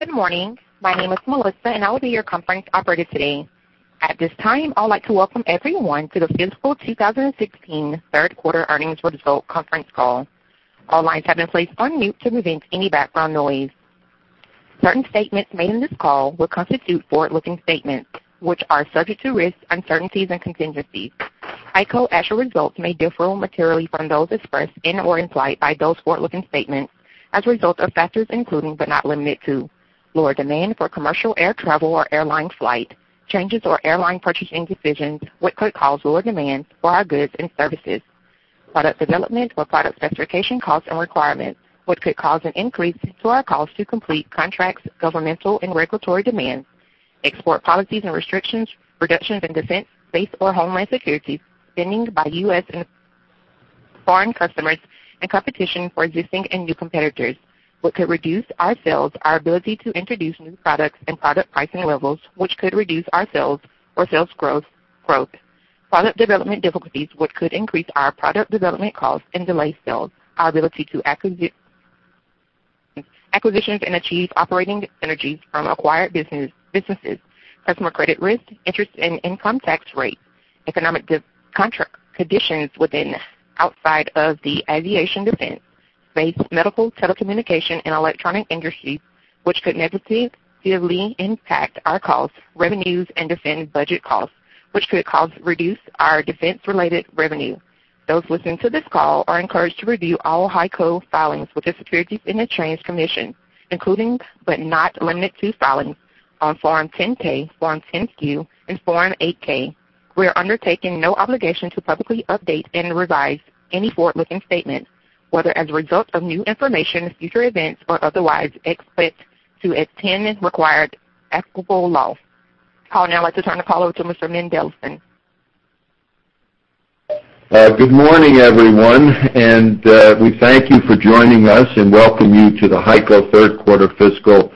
Good morning. My name is Melissa, and I will be your conference operator today. At this time, I would like to welcome everyone to the fiscal 2016 third quarter earnings results conference call. All lines have been placed on mute to prevent any background noise. Certain statements made in this call will constitute forward-looking statements, which are subject to risks, uncertainties, and contingencies. HEICO actual results may differ materially from those expressed in or implied by those forward-looking statements as a result of factors including, but not limited to, lower demand for commercial air travel or airline flight, changes or airline purchasing decisions, which could cause lower demand for our goods and services, product development or product specification costs and requirements, which could cause an increase to our cost to complete contracts, governmental and regulatory demands, export policies and restrictions, reductions in defense, base or homeland security, spending by U.S. and foreign customers, and competition for existing and new competitors, which could reduce our sales, our ability to introduce new products and product pricing levels, which could reduce our sales or sales growth. Product development difficulties, which could increase our product development costs and delay sales, our ability to acquisitions and achieve operating synergies from acquired businesses. Customer credit risk, interest and income tax rate, economic contract conditions within outside of the aviation defense, base, medical, telecommunication, and electronic industries, which could negatively impact our costs, revenues, and defense budget costs, which could reduce our defense-related revenue. Those listening to this call are encouraged to review all HEICO filings with the Securities and Exchange Commission, including but not limited to filings on Form 10-K, Form 10-Q, and Form 8-K. We are undertaking no obligation to publicly update and revise any forward-looking statements, whether as a result of new information, future events, or otherwise, except to the extent required applicable law. I would now like to turn the call over to Mr. Mendelson. Good morning, everyone, we thank you for joining us and welcome you to the HEICO third quarter fiscal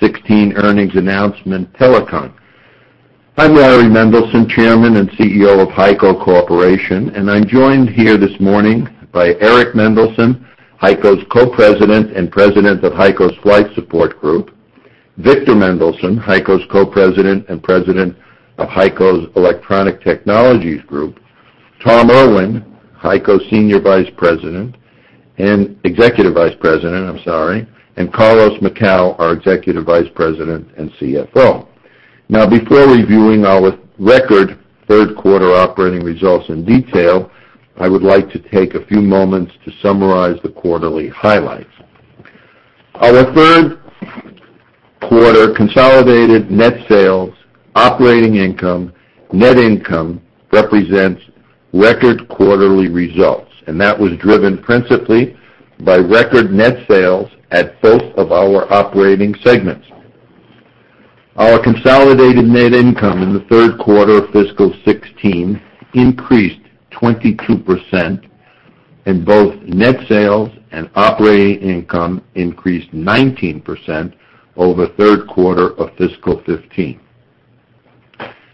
2016 earnings announcement telecon. I'm Larry Mendelson, Chairman and CEO of HEICO Corporation, and I'm joined here this morning by Eric Mendelson, HEICO's Co-President and President of HEICO's Flight Support Group, Victor Mendelson, HEICO's Co-President and President of HEICO's Electronic Technologies Group, Tom Irwin, HEICO's Senior Vice President and Executive Vice President, and Carlos Macau, our Executive Vice President and CFO. Before reviewing our record third quarter operating results in detail, I would like to take a few moments to summarize the quarterly highlights. Our third quarter consolidated net sales, operating income, net income represents record quarterly results, and that was driven principally by record net sales at both of our operating segments. Our consolidated net income in the third quarter of fiscal 2016 increased 22%, both net sales and operating income increased 19% over third quarter of fiscal 2015.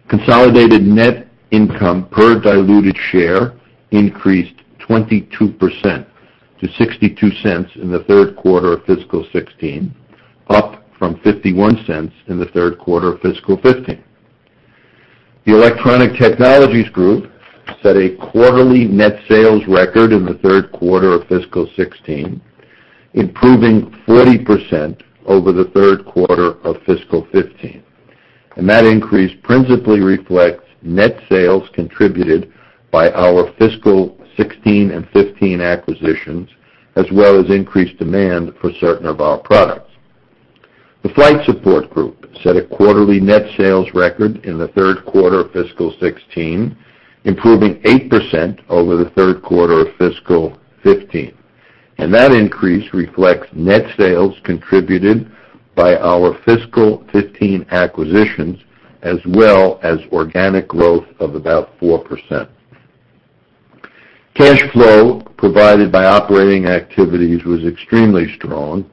Consolidated net income per diluted share increased 22% to $0.62 in the third quarter of fiscal 2016, up from $0.51 in the third quarter of fiscal 2015. The Electronic Technologies Group set a quarterly net sales record in the third quarter of fiscal 2016, improving 40% over the third quarter of fiscal 2015. That increase principally reflects net sales contributed by our fiscal 2016 and 2015 acquisitions, as well as increased demand for certain of our products. The Flight Support Group set a quarterly net sales record in the third quarter of fiscal 2016, improving 8% over the third quarter of fiscal 2015. That increase reflects net sales contributed by our fiscal 2015 acquisitions, as well as organic growth of about 4%. Cash flow provided by operating activities was extremely strong,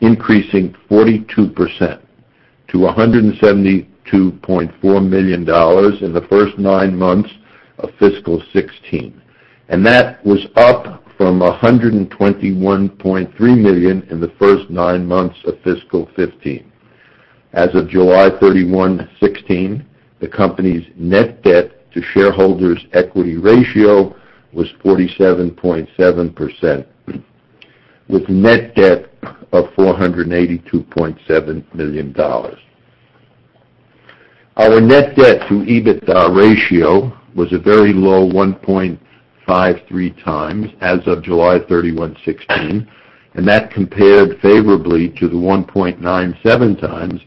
increasing 42% to $172.4 million in the first nine months of fiscal 2016. That was up from $121.3 million in the first nine months of fiscal 2015. As of July 31, 2016, the company's net debt to shareholders' equity ratio was 47.7%, with net debt of $482.7 million. Our net debt to EBITDA ratio was a very low 1.53 times as of July 31, 2016, that compared favorably to the 1.97 times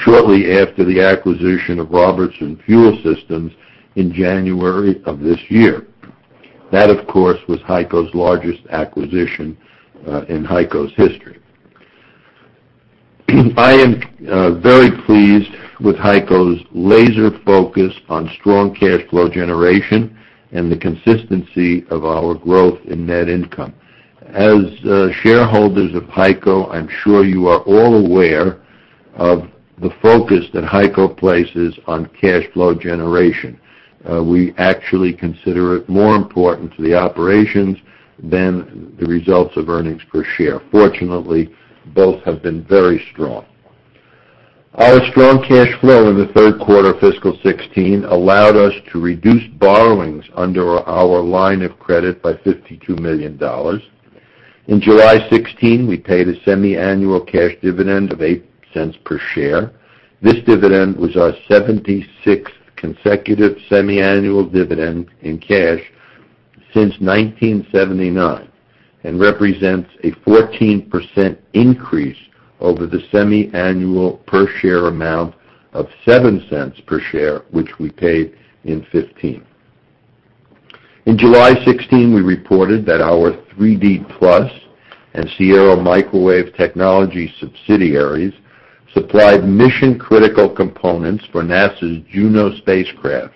shortly after the acquisition of Robertson Fuel Systems in January of this year. That, of course, was HEICO's largest acquisition in HEICO's history. I am very pleased with HEICO's laser focus on strong cash flow generation and the consistency of our growth in net income. As shareholders of HEICO, I'm sure you are all aware of the focus that HEICO places on cash flow generation. We actually consider it more important to the operations than the results of earnings per share. Fortunately, both have been very strong. Our strong cash flow in the third quarter of fiscal 2016 allowed us to reduce borrowings under our line of credit by $52 million. In July 2016, we paid a semiannual cash dividend of $0.08 per share. This dividend was our 76th consecutive semiannual dividend in cash since 1979, represents a 14% increase over the semiannual per share amount of $0.07 per share, which we paid in 2015. In July 2016, we reported that our 3D Plus and Sierra Microwave Technology subsidiaries supplied mission-critical components for NASA's Juno spacecraft,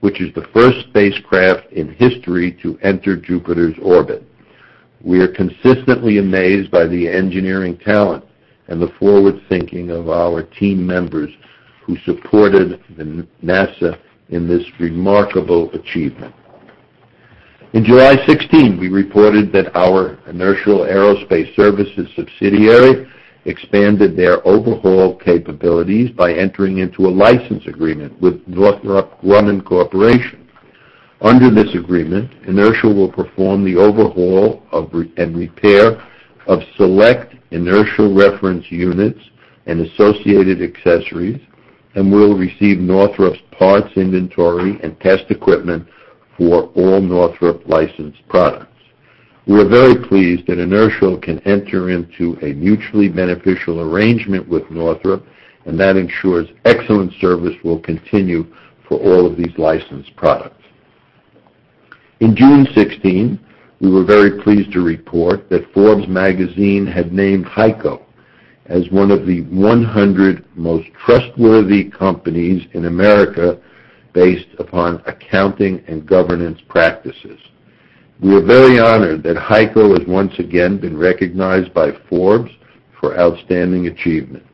which is the first spacecraft in history to enter Jupiter's orbit. We are consistently amazed by the engineering talent and the forward thinking of our team members who supported NASA in this remarkable achievement. In July 2016, we reported that our Inertial Aerospace Services subsidiary expanded their overhaul capabilities by entering into a license agreement with Northrop Grumman Corporation. Under this agreement, Inertial will perform the overhaul and repair of select inertial reference units and associated accessories, will receive Northrop's parts inventory and test equipment for all Northrop licensed products. We're very pleased that Inertial can enter into a mutually beneficial arrangement with Northrop, that ensures excellent service will continue for all of these licensed products. In June 2016, we were very pleased to report that Forbes had named HEICO as one of the 100 most trustworthy companies in America based upon accounting and governance practices. We are very honored that HEICO has once again been recognized by Forbes for outstanding achievement.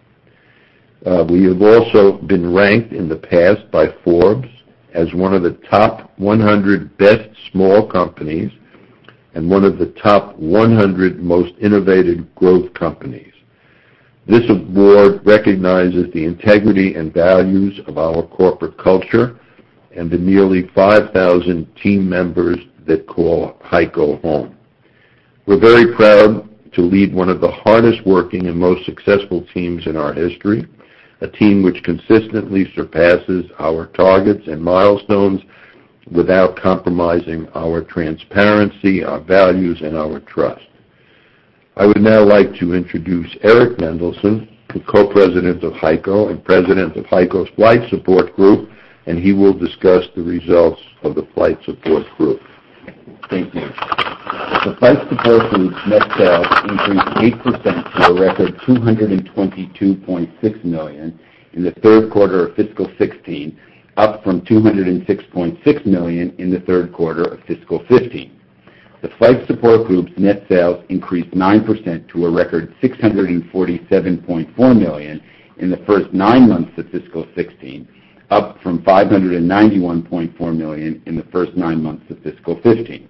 We have also been ranked in the past by Forbes as one of the top 100 best small companies, and one of the top 100 most innovative growth companies. This award recognizes the integrity and values of our corporate culture and the nearly 5,000 team members that call HEICO home. We're very proud to lead one of the hardest working and most successful teams in our history, a team which consistently surpasses our targets and milestones without compromising our transparency, our values, and our trust. I would now like to introduce Eric Mendelson, the Co-President of HEICO and President of HEICO's Flight Support Group. He will discuss the results of the Flight Support Group. Thank you. The Flight Support Group's net sales increased 8% to a record $222.6 million in the third quarter of fiscal 2016, up from $206.6 million in the third quarter of fiscal 2015. The Flight Support Group's net sales increased 9% to a record $647.4 million in the first nine months of fiscal 2016, up from $591.4 million in the first nine months of fiscal 2015.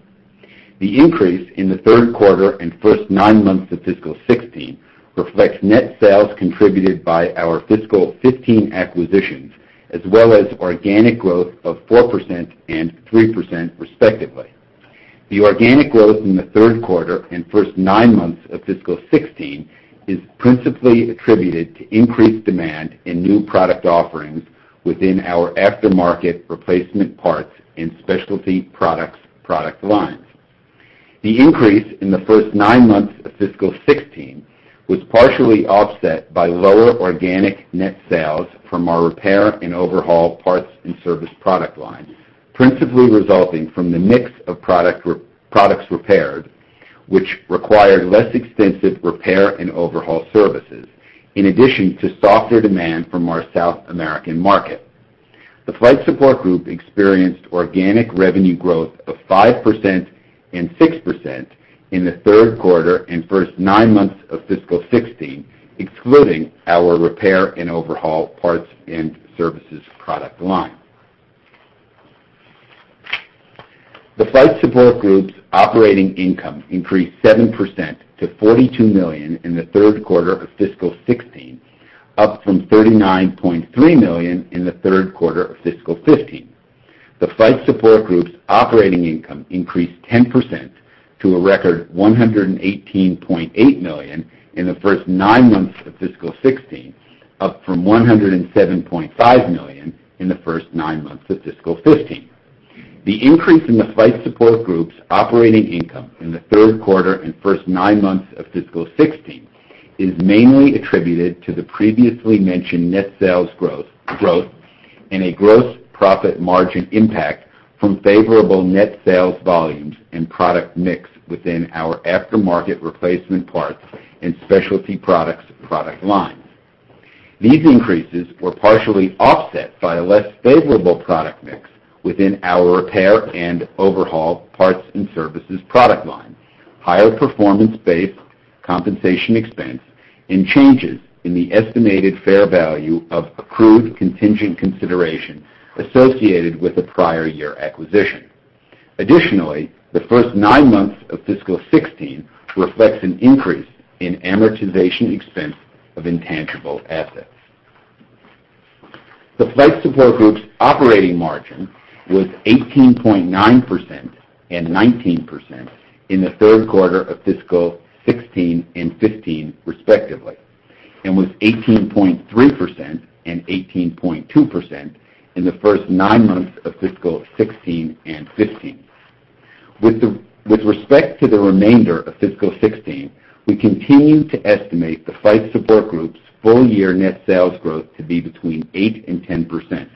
The increase in the third quarter and first nine months of fiscal 2016 reflects net sales contributed by our fiscal 2015 acquisitions, as well as organic growth of 4% and 3% respectively. The organic growth in the third quarter and first nine months of fiscal 2016 is principally attributed to increased demand in new product offerings within our aftermarket replacement parts and specialty products product lines. The increase in the first nine months of fiscal 2016 was partially offset by lower organic net sales from our repair and overhaul parts and service product line, principally resulting from the mix of products repaired, which required less extensive repair and overhaul services, in addition to softer demand from our South American market. The Flight Support Group experienced organic revenue growth of 5% and 6% in the third quarter and first nine months of fiscal 2016, excluding our repair and overhaul parts and services product line. The Flight Support Group's operating income increased 7% to $42 million in the third quarter of fiscal 2016, up from $39.3 million in the third quarter of fiscal 2015. The Flight Support Group's operating income increased 10% to a record $118.8 million in the first nine months of fiscal 2016, up from $107.5 million in the first nine months of fiscal 2015. The increase in the Flight Support Group's operating income in the third quarter and first nine months of fiscal 2016 is mainly attributed to the previously mentioned net sales growth, and a gross profit margin impact from favorable net sales volumes and product mix within our aftermarket replacement parts and specialty products product line. These increases were partially offset by a less favorable product mix within our repair and overhaul parts and services product line. Higher performance-based compensation expense and changes in the estimated fair value of accrued contingent consideration associated with the prior year acquisition. The first nine months of fiscal 2016 reflects an increase in amortization expense of intangible assets. The Flight Support Group's operating margin was 18.9% and 19% in the third quarter of fiscal 2016 and 2015, respectively, and was 18.3% and 18.2% in the first nine months of fiscal 2016 and 2015. With respect to the remainder of fiscal 2016, we continue to estimate the Flight Support Group's full year net sales growth to be between 8% and 10%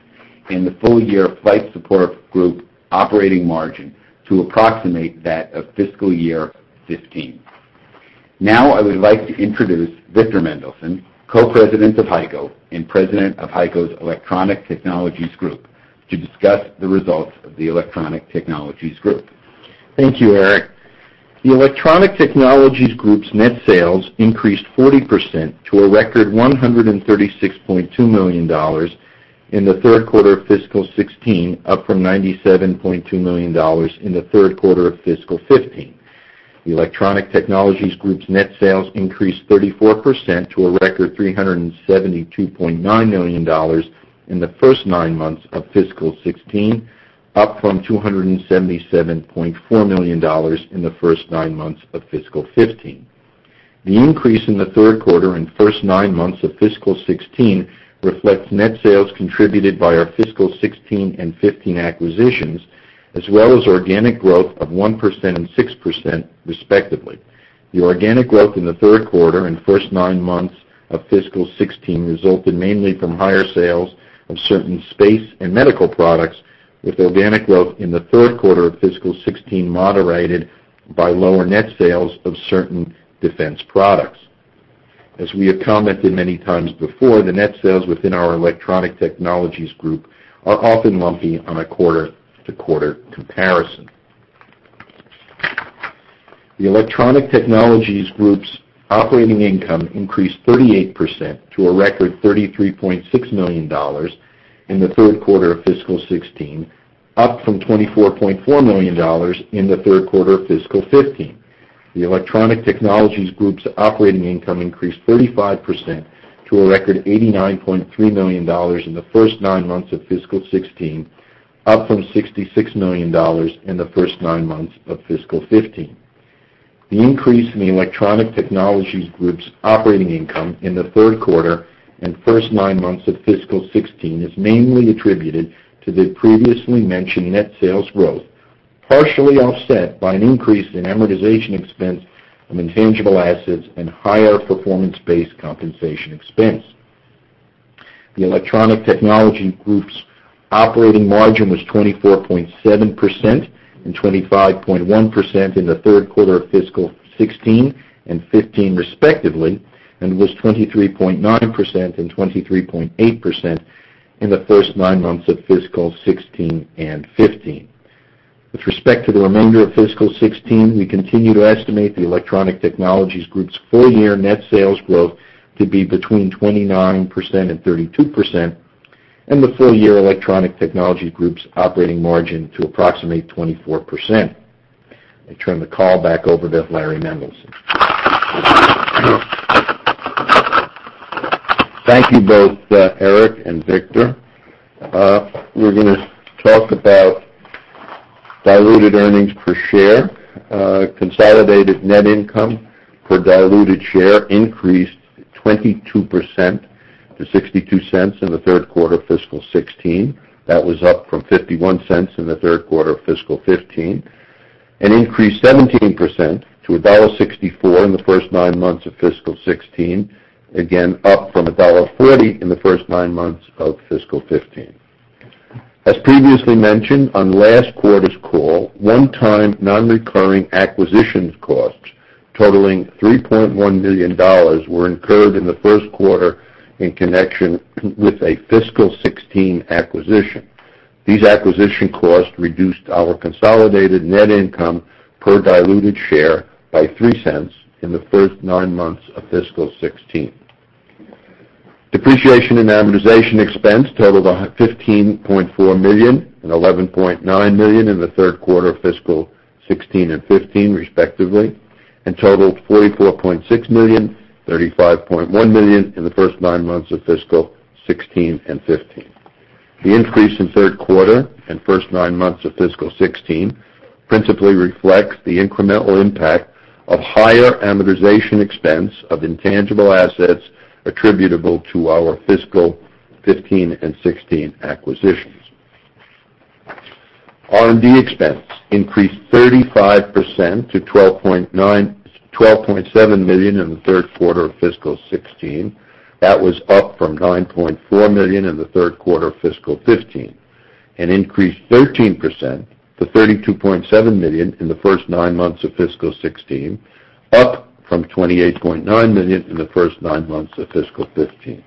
and the full year Flight Support Group operating margin to approximate that of fiscal year 2015. Now I would like to introduce Victor Mendelson, Co-President of HEICO and President of HEICO's Electronic Technologies Group, to discuss the results of the Electronic Technologies Group. Thank you, Eric. The Electronic Technologies Group's net sales increased 40% to a record $136.2 million in the third quarter of fiscal 2016, up from $97.2 million in the third quarter of fiscal 2015. The Electronic Technologies Group's net sales increased 34% to a record $372.9 million in the first nine months of fiscal 2016, up from $277.4 million in the first nine months of fiscal 2015. The increase in the third quarter and first nine months of fiscal 2016 reflects net sales contributed by our fiscal 2016 and 2015 acquisitions, as well as organic growth of 1% and 6%, respectively. The organic growth in the third quarter and first nine months of fiscal 2016 resulted mainly from higher sales of certain space and medical products, with organic growth in the third quarter of fiscal 2016 moderated by lower net sales of certain defense products. As we have commented many times before, the net sales within our Electronic Technologies Group are often lumpy on a quarter-to-quarter comparison. The Electronic Technologies Group's operating income increased 38% to a record $33.6 million in the third quarter of fiscal 2016, up from $24.4 million in the third quarter of fiscal 2015. The Electronic Technologies Group's operating income increased 35% to a record $89.3 million in the first nine months of fiscal 2016, up from $66 million in the first nine months of fiscal 2015. The increase in the Electronic Technologies Group's operating income in the third quarter and first nine months of fiscal 2016 is mainly attributed to the previously mentioned net sales growth, partially offset by an increase in amortization expense from intangible assets and higher performance-based compensation expense. The Electronic Technologies Group's operating margin was 24.7% and 25.1% in the third quarter of fiscal 2016 and 2015, respectively, and was 23.9% and 23.8% in the first nine months of fiscal 2016 and 2015. With respect to the remainder of fiscal 2016, we continue to estimate the Electronic Technologies Group's full year net sales growth to be between 29% and 32%, and the full year Electronic Technologies Group's operating margin to approximate 24%. I turn the call back over to Larry Mendelson. Thank you both, Eric and Victor. We're going to talk about diluted earnings per share. Consolidated net income per diluted share increased 22% to $0.62 in the third quarter of fiscal 2016. That was up from $0.51 in the third quarter of fiscal 2015. Increased 17% to $1.64 in the first nine months of fiscal 2016, again, up from $1.40 in the first nine months of fiscal 2015. As previously mentioned on last quarter's call, one-time non-recurring acquisition costs totaling $3.1 million were incurred in the first quarter in connection with a fiscal 2016 acquisition. These acquisition costs reduced our consolidated net income per diluted share by $0.03 in the first nine months of fiscal 2016. Depreciation and amortization expense totaled $15.4 million and $11.9 million in the third quarter of fiscal 2016 and 2015, respectively, and totaled $44.6 million, $35.1 million in the first nine months of fiscal 2016 and 2015. The increase in third quarter and first nine months of fiscal 2016 principally reflects the incremental impact of higher amortization expense of intangible assets attributable to our fiscal 2015 and 2016 acquisitions. R&D expense increased 35% to $12.7 million in the third quarter of fiscal 2016. That was up from $9.4 million in the third quarter of fiscal 2015. Increased 13% to $32.7 million in the first nine months of fiscal 2016, up from $28.9 million in the first nine months of fiscal 2015.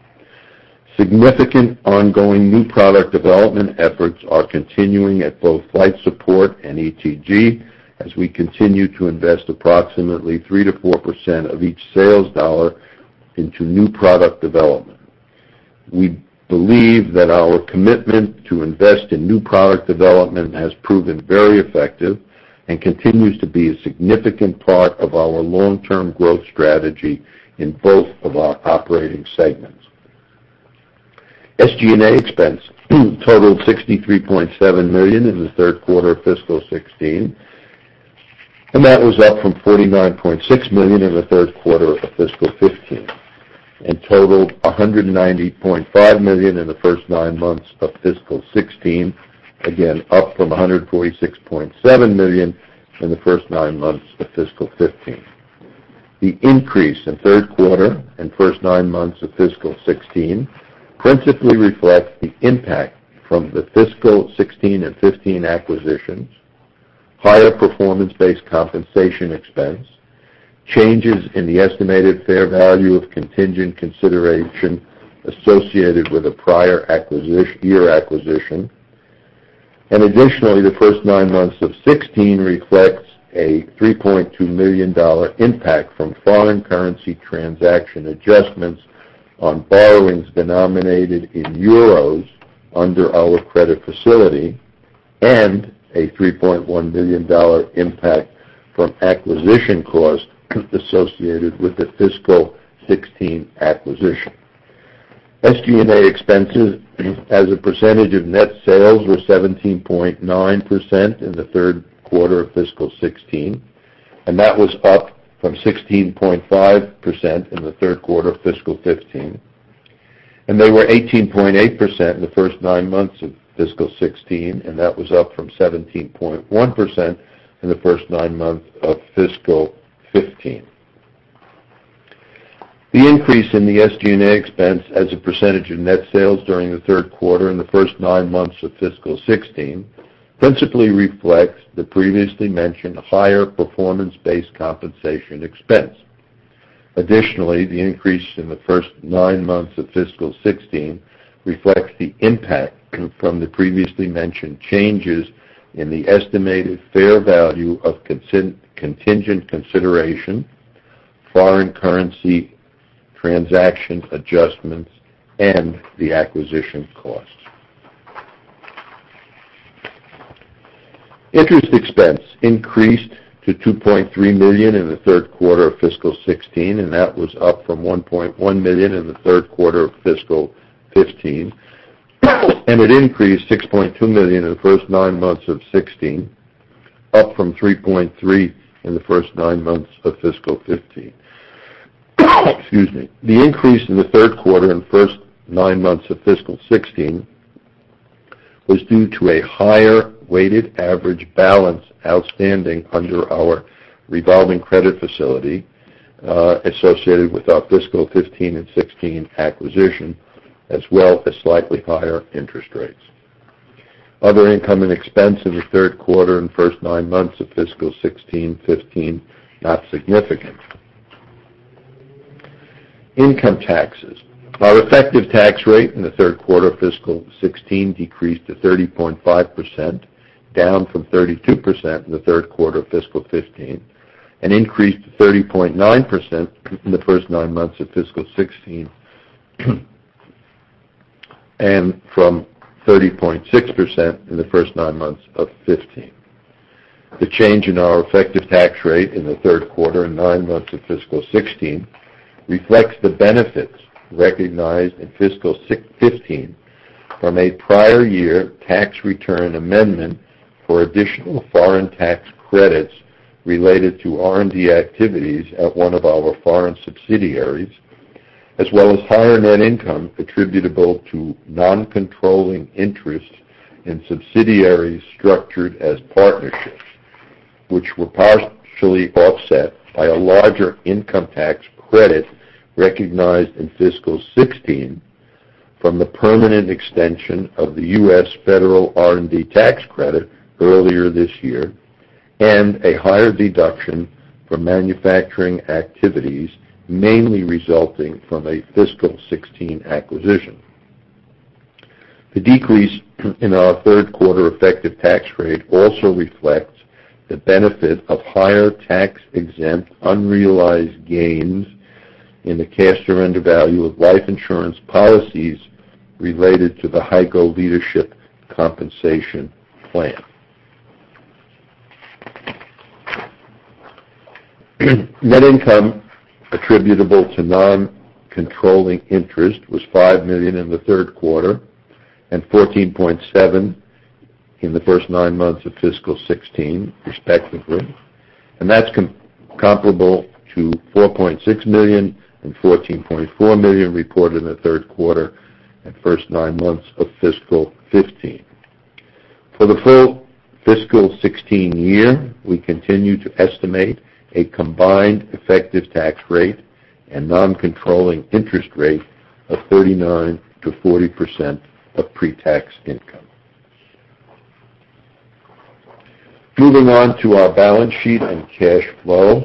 Significant ongoing new product development efforts are continuing at both Flight Support and ETG as we continue to invest approximately 3%-4% of each sales dollar into new product development. We believe that our commitment to invest in new product development has proven very effective and continues to be a significant part of our long-term growth strategy in both of our operating segments. SG&A expense totaled $63.7 million in the third quarter of fiscal 2016. That was up from $49.6 million in the third quarter of fiscal 2015. Totaled $190.5 million in the first nine months of fiscal 2016, again, up from $146.7 million in the first nine months of fiscal 2015. The increase in third quarter and first nine months of fiscal 2016 principally reflects the impact from the fiscal 2016 and 2015 acquisitions, higher performance-based compensation expense, changes in the estimated fair value of contingent consideration associated with a prior year acquisition. Additionally, the first nine months of 2016 reflects a $3.2 million impact from foreign currency transaction adjustments on borrowings denominated in euros under our credit facility, and a $3.1 million impact from acquisition costs associated with the fiscal 2016 acquisition. SG&A expenses as a percentage of net sales were 17.9% in the third quarter of fiscal 2016. That was up from 16.5% in the third quarter of fiscal 2015. They were 18.8% in the first nine months of fiscal 2016. That was up from 17.1% in the first nine months of fiscal 2015. The increase in the SG&A expense as a percentage of net sales during the third quarter and the first nine months of fiscal 2016 principally reflects the previously mentioned higher performance-based compensation expense. Additionally, the increase in the first nine months of fiscal 2016 reflects the impact from the previously mentioned changes in the estimated fair value of contingent consideration, foreign currency transaction adjustments, and the acquisition costs. Interest expense increased to $2.3 million in the third quarter of fiscal 2016. That was up from $1.1 million in the third quarter of fiscal 2015. It increased to $6.2 million in the first nine months of 2016, up from $3.3 in the first nine months of fiscal 2015. Excuse me. The increase in the third quarter and first nine months of fiscal 2016 was due to a higher weighted average balance outstanding under our revolving credit facility associated with our fiscal 2015 and 2016 acquisition, as well as slightly higher interest rates. Other income and expense in the third quarter and first nine months of fiscal 2016 and 2015, not significant. Income taxes. Our effective tax rate in the third quarter of fiscal 2016 decreased to 30.5%, down from 32% in the third quarter of fiscal 2015. Increased to 30.9% in the first nine months of fiscal 2016, and from 30.6% in the first nine months of 2015. The change in our effective tax rate in the third quarter and nine months of fiscal 2016 reflects the benefits recognized in fiscal 2015 from a prior year tax return amendment for additional foreign tax credits related to R&D activities at one of our foreign subsidiaries, as well as higher net income attributable to non-controlling interests in subsidiaries structured as partnerships, which were partially offset by a larger income tax credit recognized in fiscal 2016 from the permanent extension of the US Federal R&D Tax Credit earlier this year, and a higher deduction for manufacturing activities, mainly resulting from a fiscal 2016 acquisition. The decrease in our third quarter effective tax rate also reflects the benefit of higher tax-exempt unrealized gains in the cash surrender value of life insurance policies related to the HEICO Leadership Compensation Plan. Net income attributable to non-controlling interest was $5 million in the third quarter and $14.7 in the first nine months of fiscal 2016, respectively. That's comparable to $4.6 million and $14.4 million reported in the third quarter and first nine months of fiscal 2015. For the full fiscal 2016 year, we continue to estimate a combined effective tax rate and non-controlling interest rate of 39%-40% of pre-tax income. Moving on to our balance sheet and cash flow.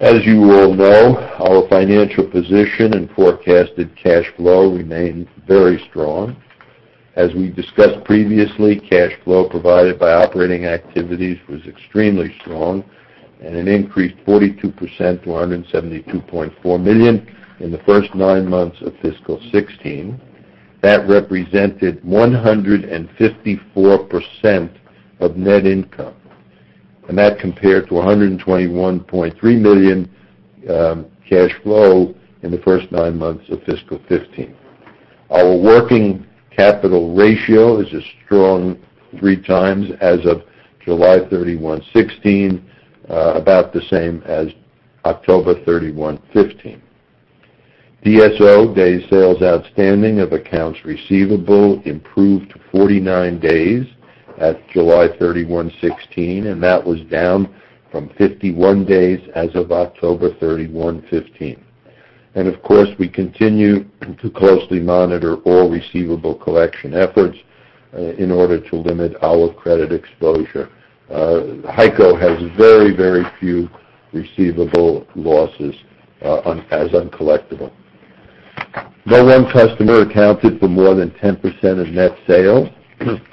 As you all know, our financial position and forecasted cash flow remain very strong. As we discussed previously, cash flow provided by operating activities was extremely strong and it increased 42% to $172.4 million in the first nine months of fiscal 2016. That represented 154% of net income, and that compared to $121.3 million cash flow in the first nine months of fiscal 2015. Our working capital ratio is a strong three times as of July 31, 2016, about the same as October 31, 2015. DSO, days sales outstanding of accounts receivable, improved to 49 days at July 31, 2016, that was down from 51 days as of October 31, 2015. Of course, we continue to closely monitor all receivable collection efforts in order to limit our credit exposure. HEICO has very few receivable losses as uncollectible. No one customer accounted for more than 10% of net sales.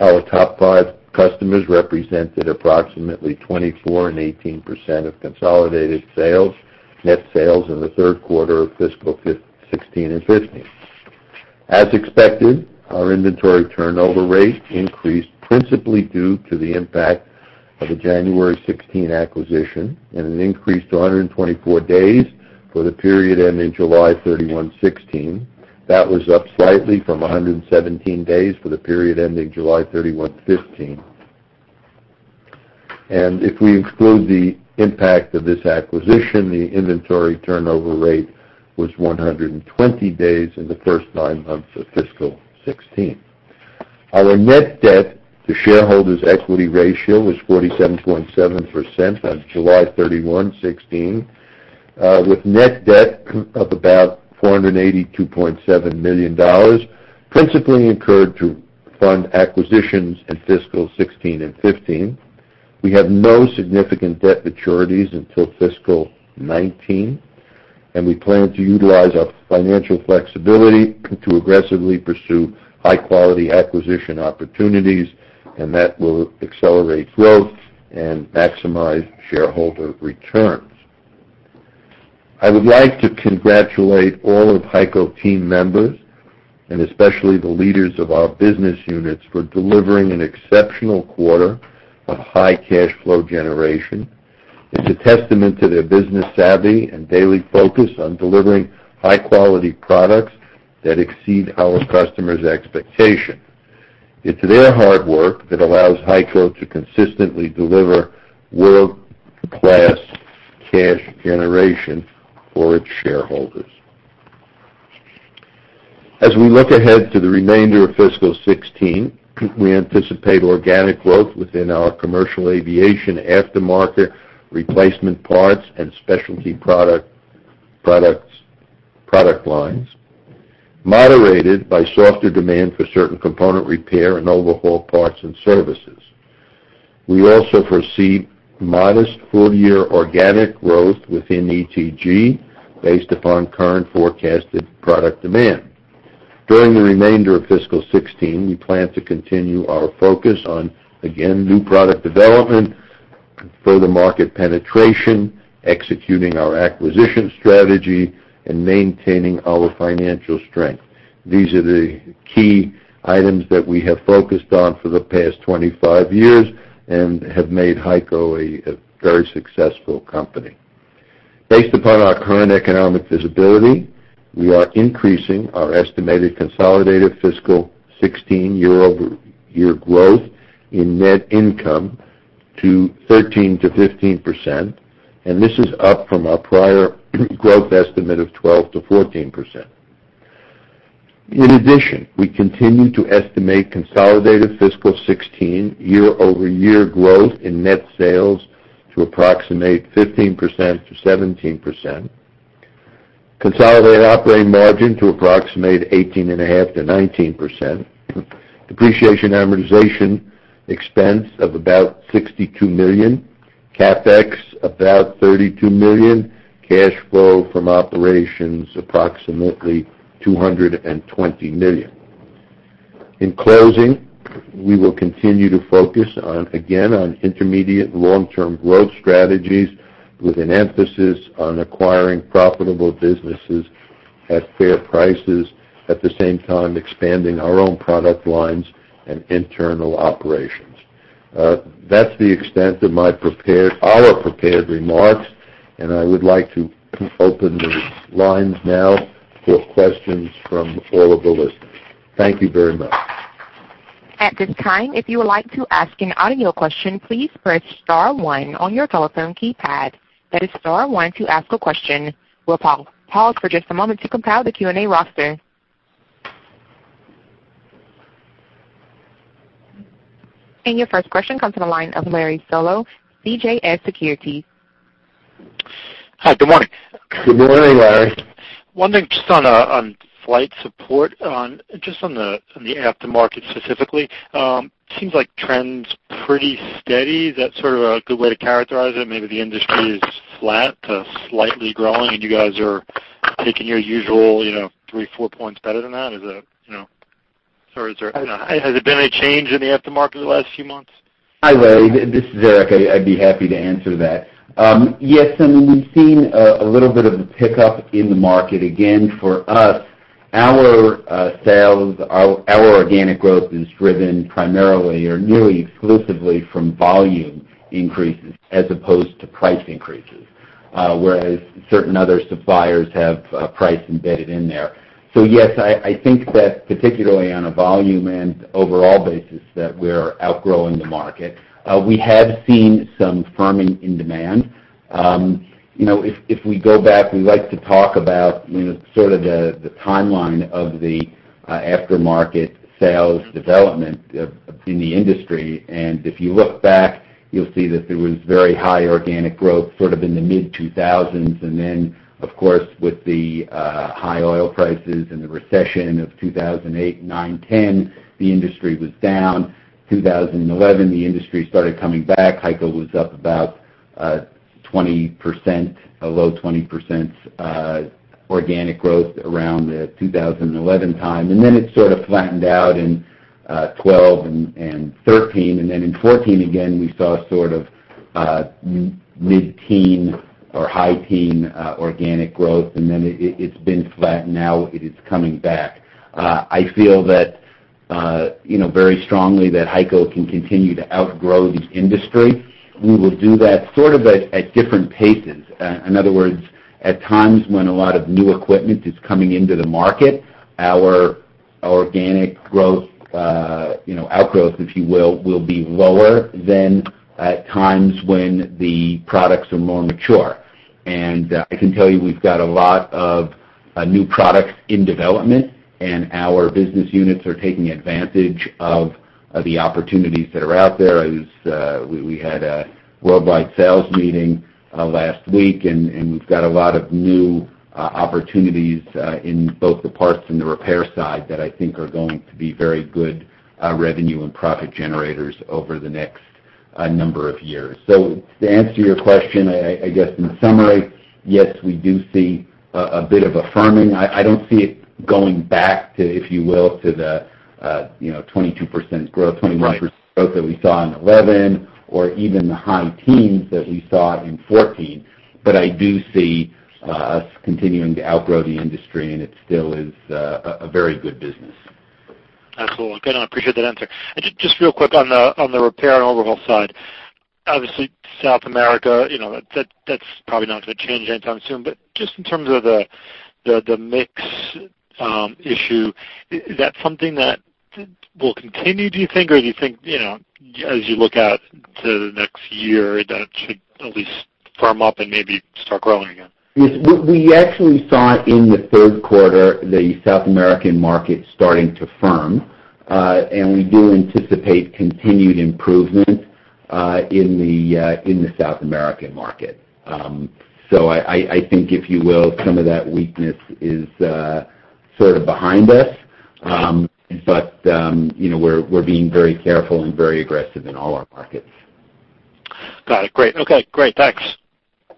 Our top five customers represented approximately 24% and 18% of consolidated net sales in the third quarter of fiscal 2016 and 2015. As expected, our inventory turnover rate increased principally due to the impact of the January 2016 acquisition. It increased to 124 days for the period ending July 31, 2016. That was up slightly from 117 days for the period ending July 31, 2015. If we exclude the impact of this acquisition, the inventory turnover rate was 120 days in the first nine months of fiscal 2016. Our net debt to shareholders' equity ratio was 47.7% on July 31, 2016, with net debt of about $482.7 million, principally incurred to fund acquisitions in fiscal 2016 and 2015. We have no significant debt maturities until fiscal 2019. We plan to utilize our financial flexibility to aggressively pursue high-quality acquisition opportunities. That will accelerate growth and maximize shareholder returns. I would like to congratulate all of HEICO team members, especially the leaders of our business units, for delivering an exceptional quarter of high cash flow generation. It's a testament to their business savvy and daily focus on delivering high-quality products that exceed our customers' expectation. It's their hard work that allows HEICO to consistently deliver world-class cash generation for its shareholders. As we look ahead to the remainder of fiscal 2016, we anticipate organic growth within our commercial aviation aftermarket replacement parts and specialty product lines, moderated by softer demand for certain component repair and overhaul parts and services. We also foresee modest full-year organic growth within ETG based upon current forecasted product demand. During the remainder of fiscal 2016, we plan to continue our focus on, again, new product development, further market penetration, executing our acquisition strategy, and maintaining our financial strength. These are the key items that we have focused on for the past 25 years and have made HEICO a very successful company. Based upon our current economic visibility, we are increasing our estimated consolidated fiscal 2016 year-over-year growth in net income to 13%-15%. This is up from our prior growth estimate of 12%-14%. In addition, we continue to estimate consolidated fiscal 2016 year-over-year growth in net sales to approximate 15%-17%, consolidated operating margin to approximate 18.5%-19%, depreciation and amortization expense of about $62 million, CapEx about $32 million, cash flow from operations approximately $220 million. In closing, we will continue to focus, again, on intermediate long-term growth strategies with an emphasis on acquiring profitable businesses at fair prices, at the same time expanding our own product lines and internal operations. That's the extent of our prepared remarks. I would like to open the lines now for questions from all of the listeners. Thank you very much. At this time, if you would like to ask an audio question, please press *1 on your telephone keypad. That is *1 to ask a question. We'll pause for just a moment to compile the Q&A roster. Your first question comes from the line of Larry Solow, CJS Securities. Hi, good morning. Good morning, Larry. One thing just on Flight Support, just on the aftermarket specifically. Seems like trend's pretty steady. Is that a good way to characterize it? Maybe the industry is flat to slightly growing, and you guys are taking your usual three, four points better than that. Has there been a change in the aftermarket in the last few months? Hi, Larry. This is Eric. I'd be happy to answer that. Yes, we've seen a little bit of a pickup in the market. Again, for us, our sales, our organic growth is driven primarily or nearly exclusively from volume increases as opposed to price increases. Whereas certain other suppliers have price embedded in there. Yes, I think that particularly on a volume and overall basis, that we're outgrowing the market. We have seen some firming in demand. If we go back, we like to talk about the timeline of the aftermarket sales development in the industry. If you look back, you'll see that there was very high organic growth in the mid-2000s. Then, of course, with the high oil prices and the recession of 2008, 2009, 2010, the industry was down. 2011, the industry started coming back. HEICO was up about 20%, a low 20% organic growth around the 2011 time. Then it sort of flattened out in 2012 and 2013. Then in 2014, again, we saw mid-teen or high-teen organic growth, and then it's been flat. Now it is coming back. I feel very strongly that HEICO can continue to outgrow the industry. We will do that at different paces. In other words, at times when a lot of new equipment is coming into the market, our organic growth, outgrowth, if you will be lower than at times when the products are more mature. I can tell you we've got a lot of new products in development, and our business units are taking advantage of the opportunities that are out there. We had a worldwide sales meeting last week, and we've got a lot of new opportunities in both the parts and the repair side that I think are going to be very good revenue and profit generators over the next number of years. To answer your question, I guess in summary, yes, we do see a bit of a firming. I don't see it going back to, if you will, to the 22% growth. Right 21% growth that we saw in 2011, or even the high teens that we saw in 2014, I do see us continuing to outgrow the industry, and it still is a very good business. Absolutely. Good. I appreciate that answer. Just real quick on the repair and overhaul side. Obviously, South America, that's probably not going to change anytime soon. Just in terms of the mix issue, is that something that will continue, do you think, or do you think, as you look out to the next year, that it should at least firm up and maybe start growing again? We actually saw in the third quarter the South American market starting to firm. We do anticipate continued improvement in the South American market. I think, if you will, some of that weakness is sort of behind us. We're being very careful and very aggressive in all our markets. Got it. Great. Okay, great. Thanks.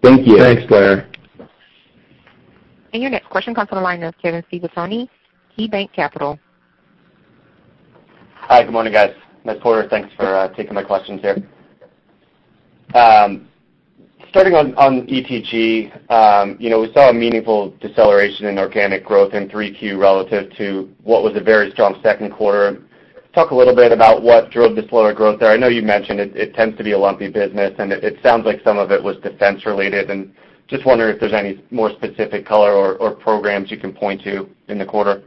Thank you. Thanks, Larry. Your next question comes from the line of Kevin Sivani, KeyBanc Capital. Hi, good morning, guys. Thanks for taking my questions here. Starting on ETG. We saw a meaningful deceleration in organic growth in Q3 relative to what was a very strong second quarter. Talk a little bit about what drove the slower growth there. I know you mentioned it tends to be a lumpy business, and it sounds like some of it was defense related. Just wondering if there's any more specific color or programs you can point to in the quarter.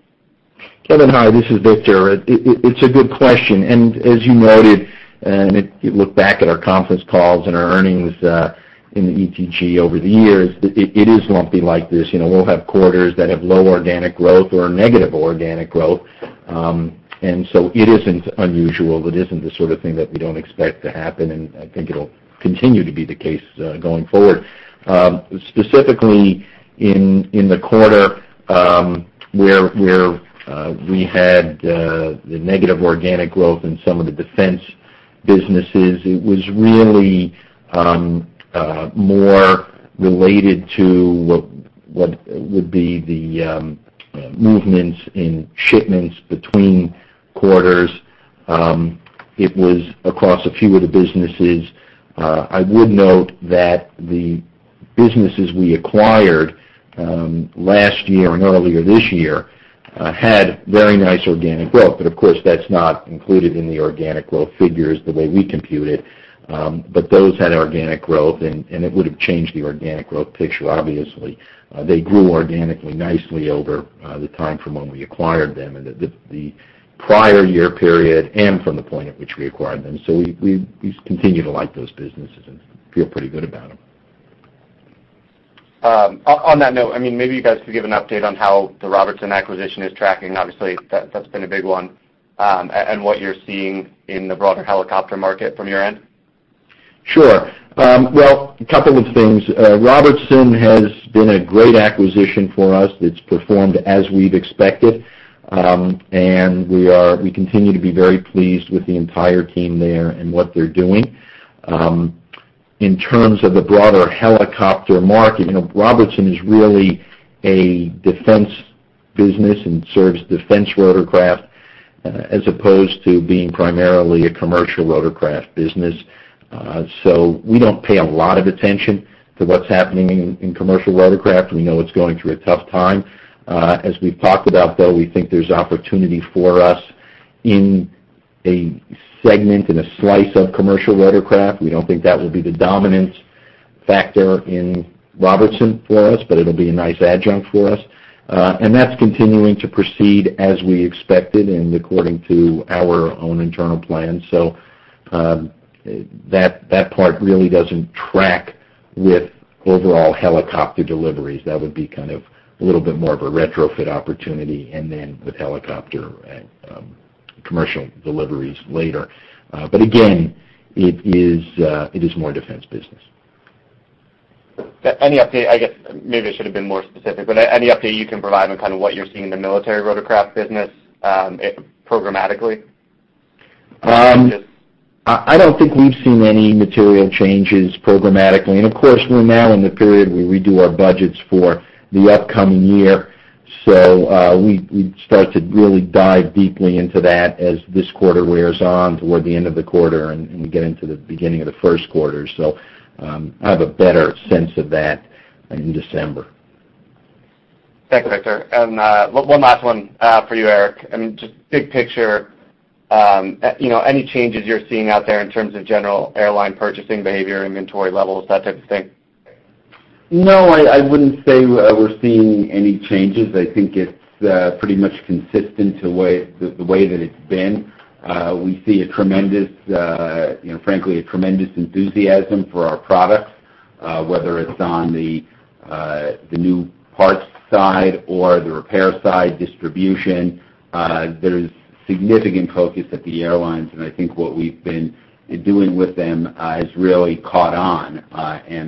Kevin, hi. This is Victor. It's a good question, and as you noted, and if you look back at our conference calls and our earnings in the ETG over the years, it is lumpy like this. We'll have quarters that have low organic growth or negative organic growth. So it isn't unusual. It isn't the sort of thing that we don't expect to happen, and I think it'll continue to be the case going forward. Specifically in the quarter, where we had the negative organic growth in some of the defense businesses, it was really more related to what would be the movements in shipments between quarters. It was across a few of the businesses. I would note that the businesses we acquired last year and earlier this year had very nice organic growth. Of course, that's not included in the organic growth figures the way we compute it. Those had organic growth, and it would have changed the organic growth picture, obviously. They grew organically nicely over the time from when we acquired them in the prior year period and from the point at which we acquired them. We continue to like those businesses and feel pretty good about them. On that note, maybe you guys could give an update on how the Robertson acquisition is tracking. Obviously, that's been a big one. What you're seeing in the broader helicopter market from your end? Sure. Well, a couple of things. Robertson has been a great acquisition for us. It's performed as we've expected. We continue to be very pleased with the entire team there and what they're doing. In terms of the broader helicopter market, Robertson is really a defense business and serves defense rotorcraft as opposed to being primarily a commercial rotorcraft business. We don't pay a lot of attention to what's happening in commercial rotorcraft. We know it's going through a tough time. As we've talked about, though, we think there's opportunity for us in a segment, in a slice of commercial rotorcraft. We don't think that will be the dominant factor in Robertson for us, but it'll be a nice adjunct for us. That's continuing to proceed as we expected and according to our own internal plans. That part really doesn't track with overall helicopter deliveries. That would be a little bit more of a retrofit opportunity, and then with helicopter and commercial deliveries later. Again, it is more a defense business. Any update, I guess maybe I should've been more specific, but any update you can provide on what you're seeing in the military rotorcraft business programmatically? I don't think we've seen any material changes programmatically. Of course, we're now in the period where we do our budgets for the upcoming year. We'd start to really dive deeply into that as this quarter wears on toward the end of the quarter, and we get into the beginning of the first quarter. I'll have a better sense of that in December. Thanks, Victor. One last one for you, Eric. Just big picture, any changes you're seeing out there in terms of general airline purchasing behavior, inventory levels, that type of thing? No, I wouldn't say we're seeing any changes. I think it's pretty much consistent to the way that it's been. We see, frankly, a tremendous enthusiasm for our products, whether it's on the new parts side or the repair side, distribution. There's significant focus at the airlines, and I think what we've been doing with them has really caught on.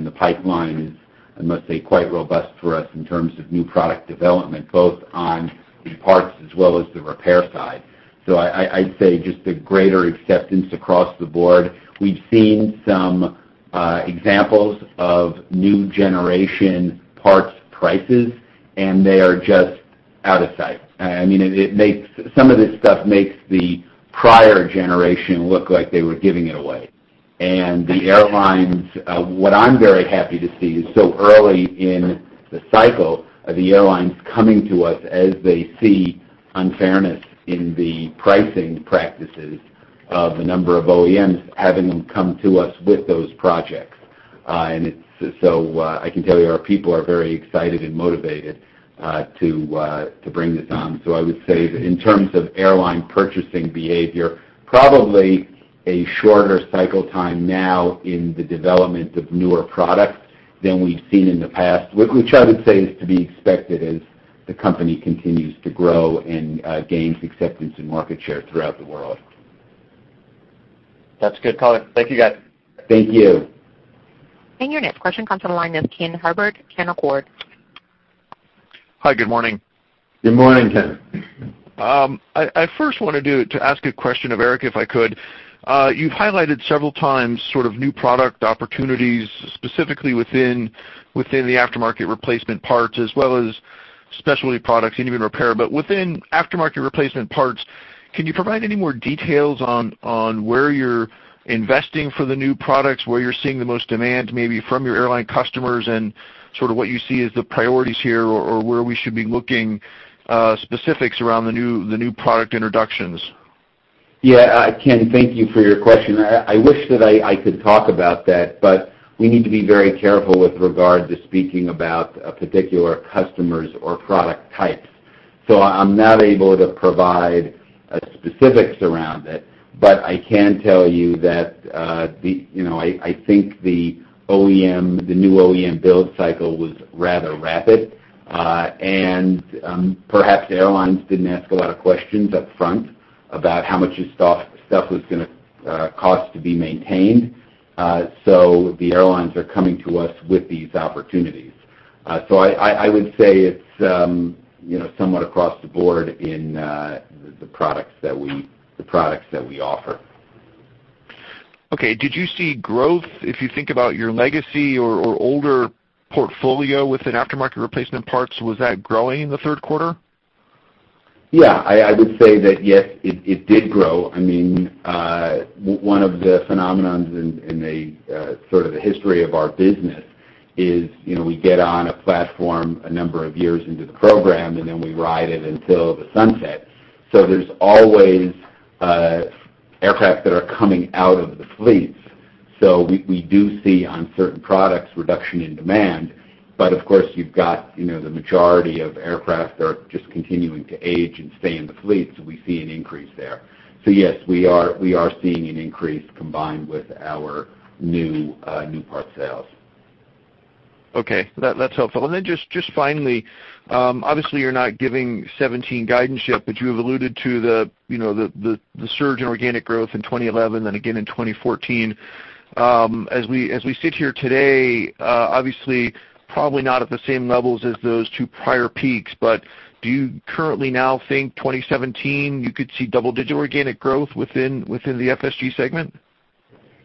The pipeline is, I must say, quite robust for us in terms of new product development, both on the parts as well as the repair side. I'd say just a greater acceptance across the board. We've seen some examples of new generation parts prices, and they are just out of sight. Some of this stuff makes the prior generation look like they were giving it away. What I'm very happy to see is, so early in the cycle, are the airlines coming to us as they see unfairness in the pricing practices of a number of OEMs, having them come to us with those projects. I can tell you, our people are very excited and motivated to bring this on. I would say that in terms of airline purchasing behavior, probably a shorter cycle time now in the development of newer products than we've seen in the past, which I would say is to be expected as the company continues to grow and gains acceptance and market share throughout the world. That's a good call-in. Thank you, guys. Thank you. Your next question comes from the line of Ken Herbert, Canaccord. Hi, good morning. Good morning, Ken. I first wanted to ask a question of Eric, if I could. You've highlighted several times sort of new product opportunities, specifically within the aftermarket replacement parts as well as specialty products and even repair. Within aftermarket replacement parts, can you provide any more details on where you're investing for the new products, where you're seeing the most demand, maybe from your airline customers and sort of what you see as the priorities here, or where we should be looking specifics around the new product introductions? Yeah, Ken, thank you for your question. I wish that I could talk about that, we need to be very careful with regard to speaking about a particular customers or product types. I'm not able to provide specifics around it, but I can tell you that I think the new OEM build cycle was rather rapid. Perhaps airlines didn't ask a lot of questions up front about how much this stuff was going to cost to be maintained. The airlines are coming to us with these opportunities. I would say it's somewhat across the board in the products that we offer. Okay. Did you see growth, if you think about your legacy or older portfolio within aftermarket replacement parts, was that growing in the third quarter? Yeah, I would say that yes, it did grow. One of the phenomenons in the sort of the history of our business is we get on a platform a number of years into the program, and then we ride it until the sunset. There's always aircraft that are coming out of the fleets. We do see, on certain products, reduction in demand. Of course, you've got the majority of aircraft that are just continuing to age and stay in the fleet, so we see an increase there. Yes, we are seeing an increase combined with our new part sales. Okay, that's helpful. Then just finally, obviously you're not giving 2017 guidance yet, You have alluded to the surge in organic growth in 2011 and again in 2014. As we sit here today, obviously, probably not at the same levels as those two prior peaks, Do you currently now think 2017, you could see double digital organic growth within the FSG segment?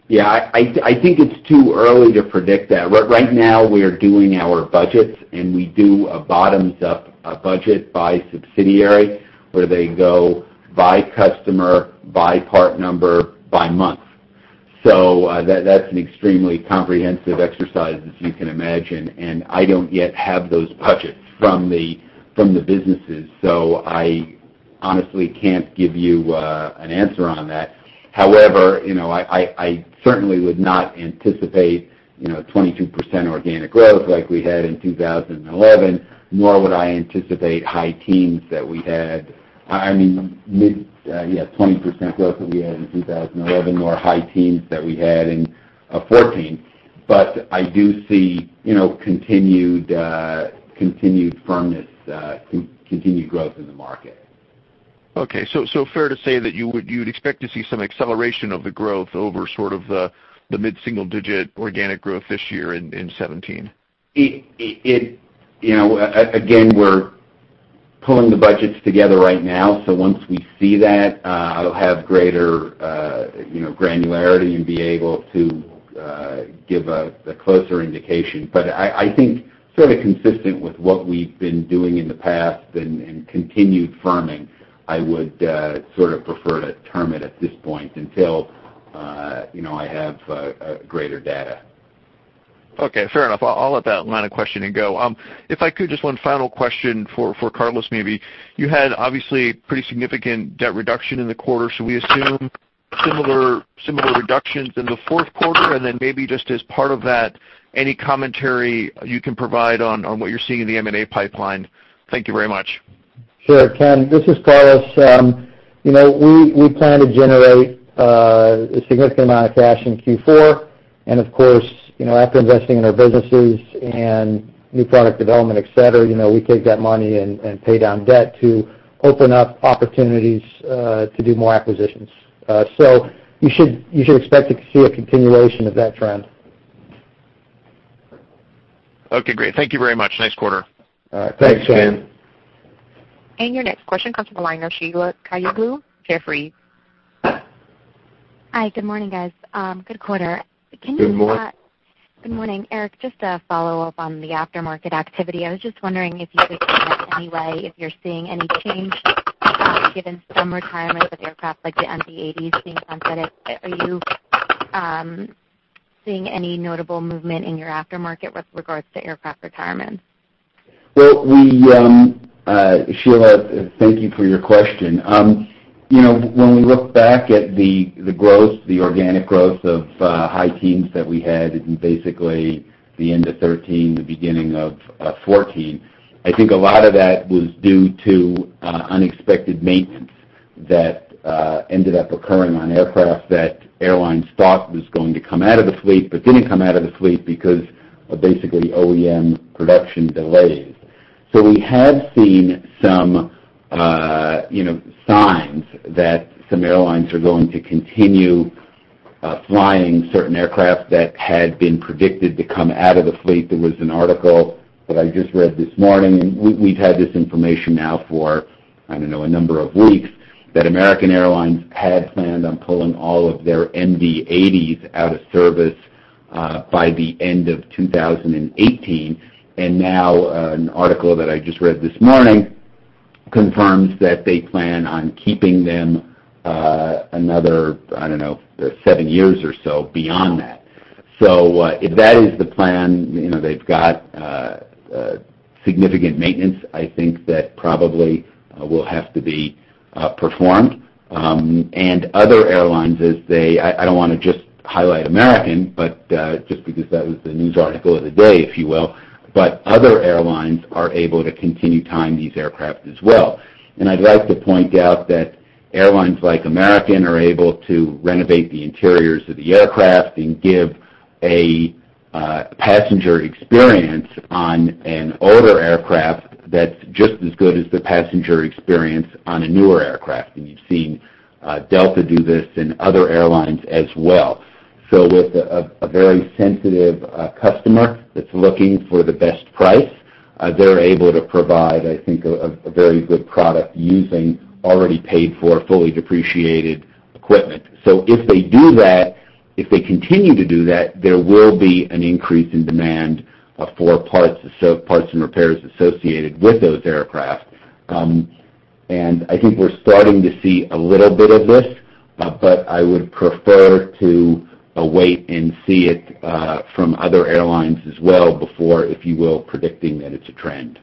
Yeah, I think it's too early to predict that. Right now, we are doing our budgets, We do a bottoms-up budget by subsidiary, where they go by customer, by part number, by month. That's an extremely comprehensive exercise, as you can imagine, I don't yet have those budgets from the businesses, I honestly can't give you an answer on that. However, I certainly would not anticipate 22% organic growth like we had in 2011, nor would I anticipate high teens that we had-- I mean, mid, yeah, 20% growth that we had in 2011, or high teens that we had in 2014. I do see continued firmness, continued growth in the market. Okay. Fair to say that you'd expect to see some acceleration of the growth over sort of the mid-single-digit organic growth this year in 2017? Again, we're pulling the budgets together right now, once we see that, I'll have greater granularity and be able to give a closer indication. I think sort of consistent with what we've been doing in the past and continued firming, I would sort of prefer to term it at this point until I have greater data. Okay, fair enough. I'll let that line of questioning go. If I could, just one final question for Carlos, maybe. You had, obviously, pretty significant debt reduction in the quarter. Should we assume similar reductions in the fourth quarter? Maybe just as part of that, any commentary you can provide on what you're seeing in the M&A pipeline. Thank you very much. Sure, Ken. This is Carlos. We plan to generate a significant amount of cash in Q4. Of course, after investing in our businesses and new product development, et cetera, we take that money and pay down debt to open up opportunities to do more acquisitions. You should expect to see a continuation of that trend. Okay, great. Thank you very much. Nice quarter. All right. Thanks, Ken. Thanks. Your next question comes from the line of Sheila Kahyaoglu, Jefferies. Hi, good morning, guys. Good quarter. Good morning. Good morning. Eric, just a follow-up on the aftermarket activity. I was just wondering if you could comment any way if you're seeing any change given some retirement of aircraft like the MD-80s being considered. Are you seeing any notable movement in your aftermarket with regards to aircraft retirement? Well, Sheila, thank you for your question. When we look back at the organic growth of high teens that we had in basically the end of 2013, the beginning of 2014, I think a lot of that was due to unexpected maintenance that ended up occurring on aircraft that airlines thought was going to come out of the fleet, but didn't come out of the fleet because of basically OEM production delays. We have seen some signs that some airlines are going to continue flying certain aircraft that had been predicted to come out of the fleet. There was an article that I just read this morning, and we've had this information now for, I don't know, a number of weeks, that American Airlines had planned on pulling all of their MD-80s out of service by the end of 2018. Now, an article that I just read this morning confirms that they plan on keeping them another, I don't know, seven years or so beyond that. If that is the plan, they've got significant maintenance, I think that probably will have to be performed. Other airlines as they, I don't want to just highlight American, but just because that was the news article of the day, if you will, but other airlines are able to continue tying these aircraft as well. I'd like to point out that airlines like American are able to renovate the interiors of the aircraft and give a passenger experience on an older aircraft that's just as good as the passenger experience on a newer aircraft. You've seen Delta do this and other airlines as well. With a very sensitive customer that's looking for the best price, they're able to provide, I think, a very good product using already paid for, fully depreciated equipment. If they do that, if they continue to do that, there will be an increase in demand for parts and repairs associated with those aircraft. I think we're starting to see a little bit of this, but I would prefer to await and see it from other airlines as well before, if you will, predicting that it's a trend.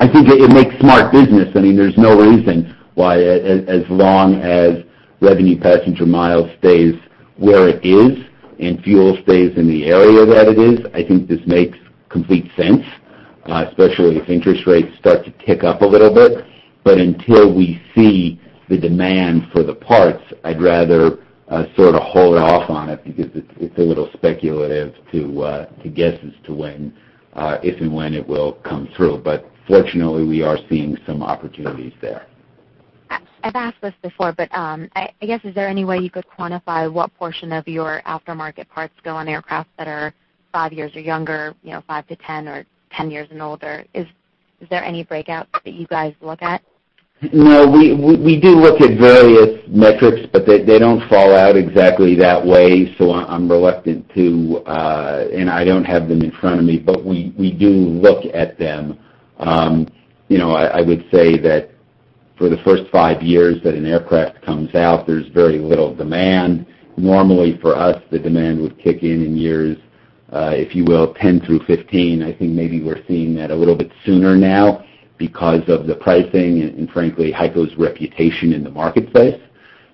I think it makes smart business. There's no reason why as long as revenue passenger miles stays where it is and fuel stays in the area that it is, I think this makes complete sense Especially if interest rates start to tick up a little bit. Until we see the demand for the parts, I'd rather sort of hold off on it because it's a little speculative to guess as to if and when it will come through. Fortunately, we are seeing some opportunities there. I've asked this before, I guess is there any way you could quantify what portion of your aftermarket parts go on aircraft that are five years or younger, five to 10, or 10 years and older? Is there any breakout that you guys look at? We do look at various metrics, they don't fall out exactly that way. I'm reluctant to. I don't have them in front of me. We do look at them. I would say that for the first five years that an aircraft comes out, there's very little demand. Normally, for us, the demand would kick in in years, if you will, 10 through 15. I think maybe we're seeing that a little bit sooner now because of the pricing and frankly, HEICO's reputation in the marketplace.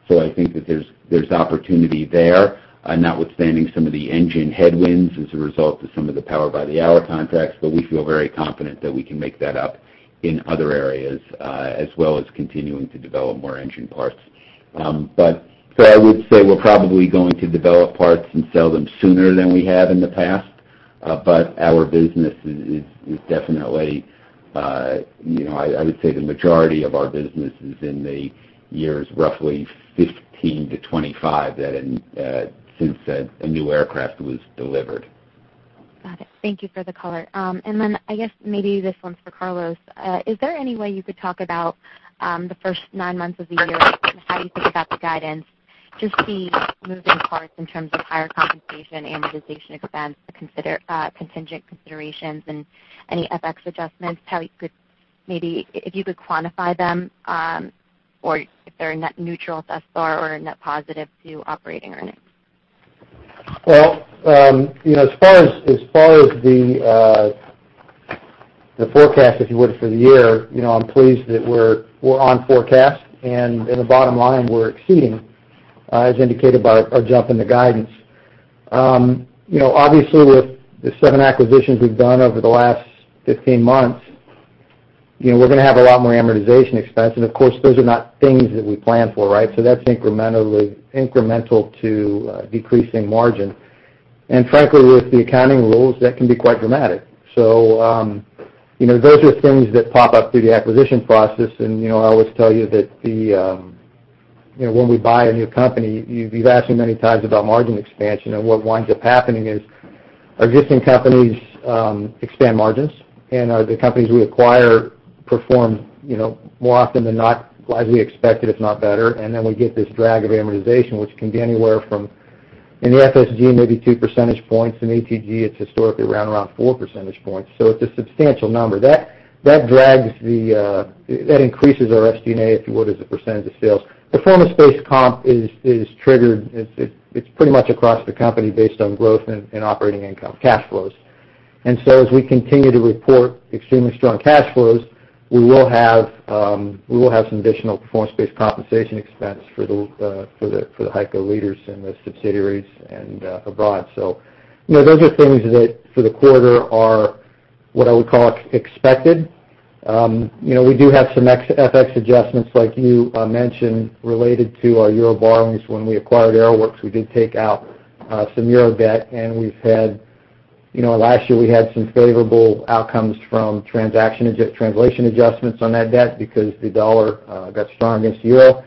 I think that there's opportunity there, notwithstanding some of the engine headwinds as a result of some of the power-by-the-hour contracts. We feel very confident that we can make that up in other areas, as well as continuing to develop more engine parts. I would say we're probably going to develop parts and sell them sooner than we have in the past. Our business is definitely, I would say the majority of our business is in the years roughly 15 to 25 since a new aircraft was delivered. Got it. Thank you for the color. I guess maybe this one's for Carlos. Is there any way you could talk about the first 9 months of the year and how you think about the guidance to see moving parts in terms of higher compensation, amortization expense, the contingent considerations, and any FX adjustments? Maybe if you could quantify them, or if they're net neutral to [SG&A] or net positive to operating earnings. As far as the forecast, if you would, for the year, I'm pleased that we're on forecast, and in the bottom line, we're exceeding, as indicated by our jump in the guidance. Obviously, with the 7 acquisitions we've done over the last 15 months, we're going to have a lot more amortization expense. Of course, those are not things that we plan for, right? That's incremental to decreasing margin. Frankly, with the accounting rules, that can be quite dramatic. Those are things that pop up through the acquisition process, and I always tell you that when we buy a new company, you've asked me many times about margin expansion, and what winds up happening is our existing companies expand margins, and the companies we acquire perform more often than not as we expected, if not better. We get this drag of amortization, which can be anywhere from, in the FSG, maybe 2 percentage points. In ETG, it's historically around 4 percentage points. It's a substantial number. That increases our SG&A, if you would, as a percentage of sales. Performance-based comp is triggered. It's pretty much across the company based on growth and operating income cash flows. As we continue to report extremely strong cash flows, we will have some additional performance-based compensation expense for the HEICO leaders in the subsidiaries and abroad. Those are things that, for the quarter, are what I would call expected. We do have some FX adjustments, like you mentioned, related to our euro borrowings. When we acquired Aeroworks, we did take out some euro debt, last year we had some favorable outcomes from translation adjustments on that debt because the dollar got strong against the euro.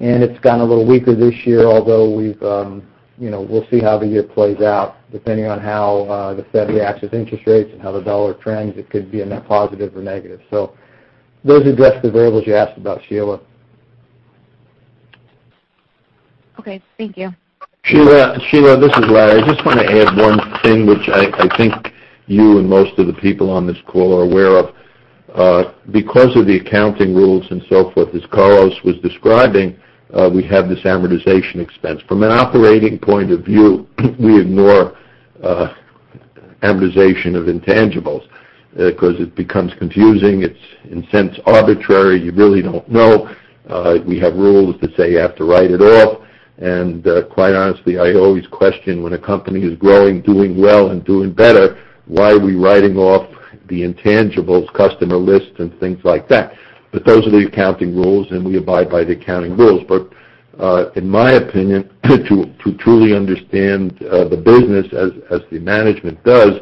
It's gone a little weaker this year, although we'll see how the year plays out. Depending on how the Fed reacts with interest rates and how the dollar trends, it could be a net positive or negative. Those address the variables you asked about, Sheila. Okay. Thank you. Sheila, this is Larry. I just want to add one thing, which I think you and most of the people on this call are aware of. Because of the accounting rules and so forth, as Carlos was describing, we have this amortization expense. From an operating point of view, we ignore amortization of intangibles, because it becomes confusing. It's, in a sense, arbitrary. You really don't know. We have rules that say you have to write it off. Quite honestly, I always question when a company is growing, doing well, and doing better, why are we writing off the intangibles, customer lists, and things like that? Those are the accounting rules, and we abide by the accounting rules. In my opinion, to truly understand the business as the management does,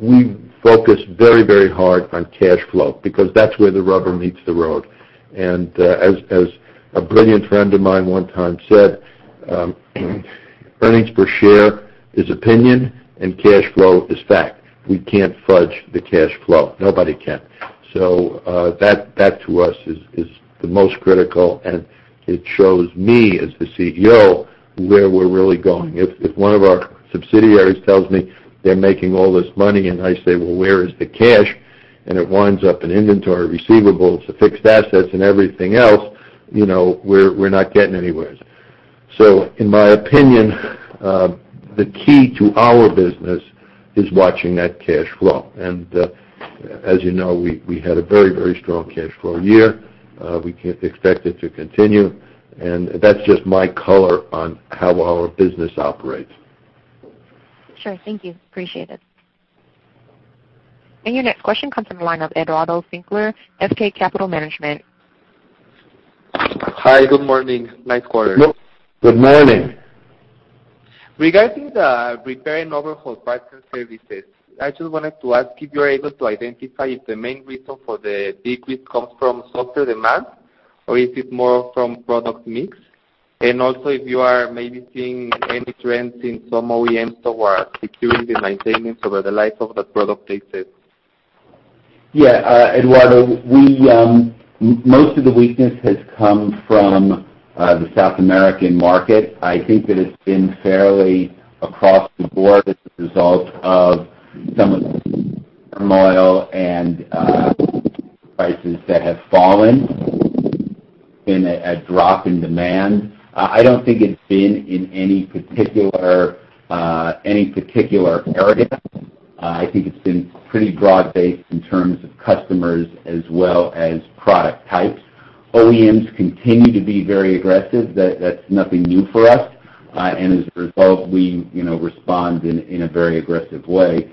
we focus very hard on cash flow, because that's where the rubber meets the road. As a brilliant friend of mine one time said, "Earnings per share is opinion and cash flow is fact." We can't fudge the cash flow. Nobody can. That, to us, is the most critical, and it shows me, as the CEO, where we're really going. If one of our subsidiaries tells me they're making all this money and I say, "Well, where is the cash?" It winds up in inventory, receivables, the fixed assets, and everything else, we're not getting anywhere. In my opinion, the key to our business is watching that cash flow. As you know, we had a very strong cash flow year. We expect it to continue, and that's just my color on how our business operates. Sure. Thank you. Appreciate it. Your next question comes from the line of Eduardo Sinclair, FK Capital Management. Hi, good morning. Nice quarter. Good morning. Regarding the repair and overhaul parts and services, I just wanted to ask if you are able to identify if the main reason for the decrease comes from softer demand, or is it more from product mix? Also, if you are maybe seeing any trends in some OEMs who are securing the maintenance over the life of the product they sell. Yeah. Eduardo, most of the weakness has come from the South American market. I think that it's been fairly across the board as a result of some of the turmoil and prices that have fallen and a drop in demand. I don't think it's been in any particular area. I think it's been pretty broad-based in terms of customers as well as product types. OEMs continue to be very aggressive. That's nothing new for us. As a result, we respond in a very aggressive way.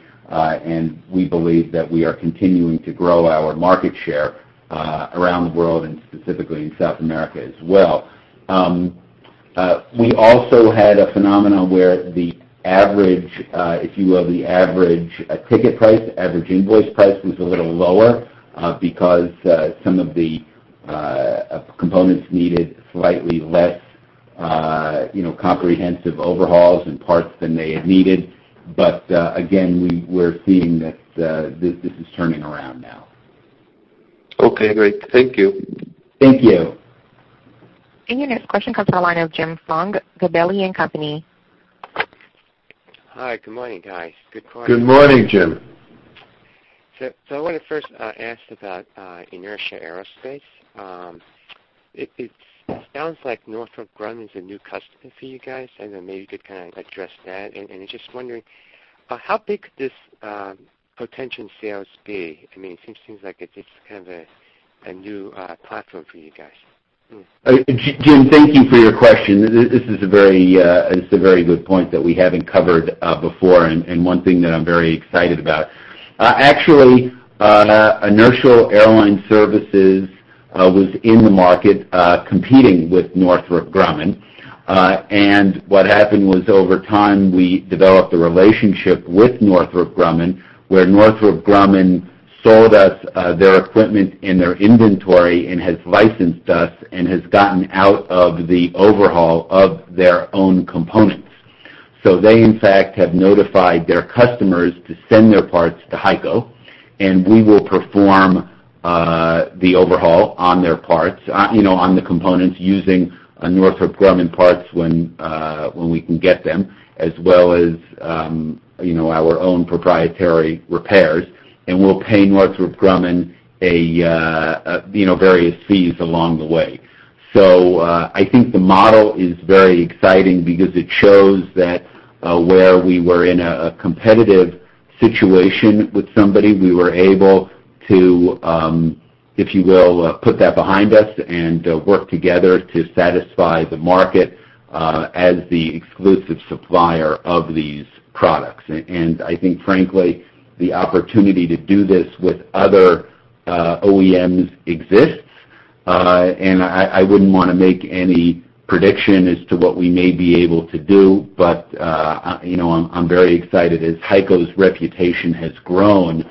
We believe that we are continuing to grow our market share around the world and specifically in South America as well. We also had a phenomenon where the average ticket price, average invoice price, was a little lower because some of the components needed slightly less comprehensive overhauls and parts than they had needed. Again, we're seeing that this is turning around now. Okay, great. Thank you. Thank you. Your next question comes from the line of Jim Fong, Gabelli & Company. Hi, good morning, guys. Good quarter. Good morning, Jim. I want to first ask about Inertial Aerospace. It sounds like Northrop Grumman's a new customer for you guys, maybe you could kind of address that. I'm just wondering, how big could this potential sales be? It seems like it's just kind of a new platform for you guys. Jim, thank you for your question. This is a very good point that we haven't covered before and one thing that I'm very excited about. Actually, Inertial Aerospace Services was in the market, competing with Northrop Grumman. What happened was, over time, we developed a relationship with Northrop Grumman, where Northrop Grumman sold us their equipment and their inventory and has licensed us and has gotten out of the overhaul of their own components. They, in fact, have notified their customers to send their parts to HEICO, and we will perform the overhaul on their parts, on the components using Northrop Grumman parts when we can get them, as well as our own proprietary repairs, and we'll pay Northrop Grumman various fees along the way. I think the model is very exciting because it shows that where we were in a competitive situation with somebody, we were able to, if you will, put that behind us and work together to satisfy the market as the exclusive supplier of these products. I think, frankly, the opportunity to do this with other OEMs exists. I wouldn't want to make any prediction as to what we may be able to do, but I'm very excited. As HEICO's reputation has grown,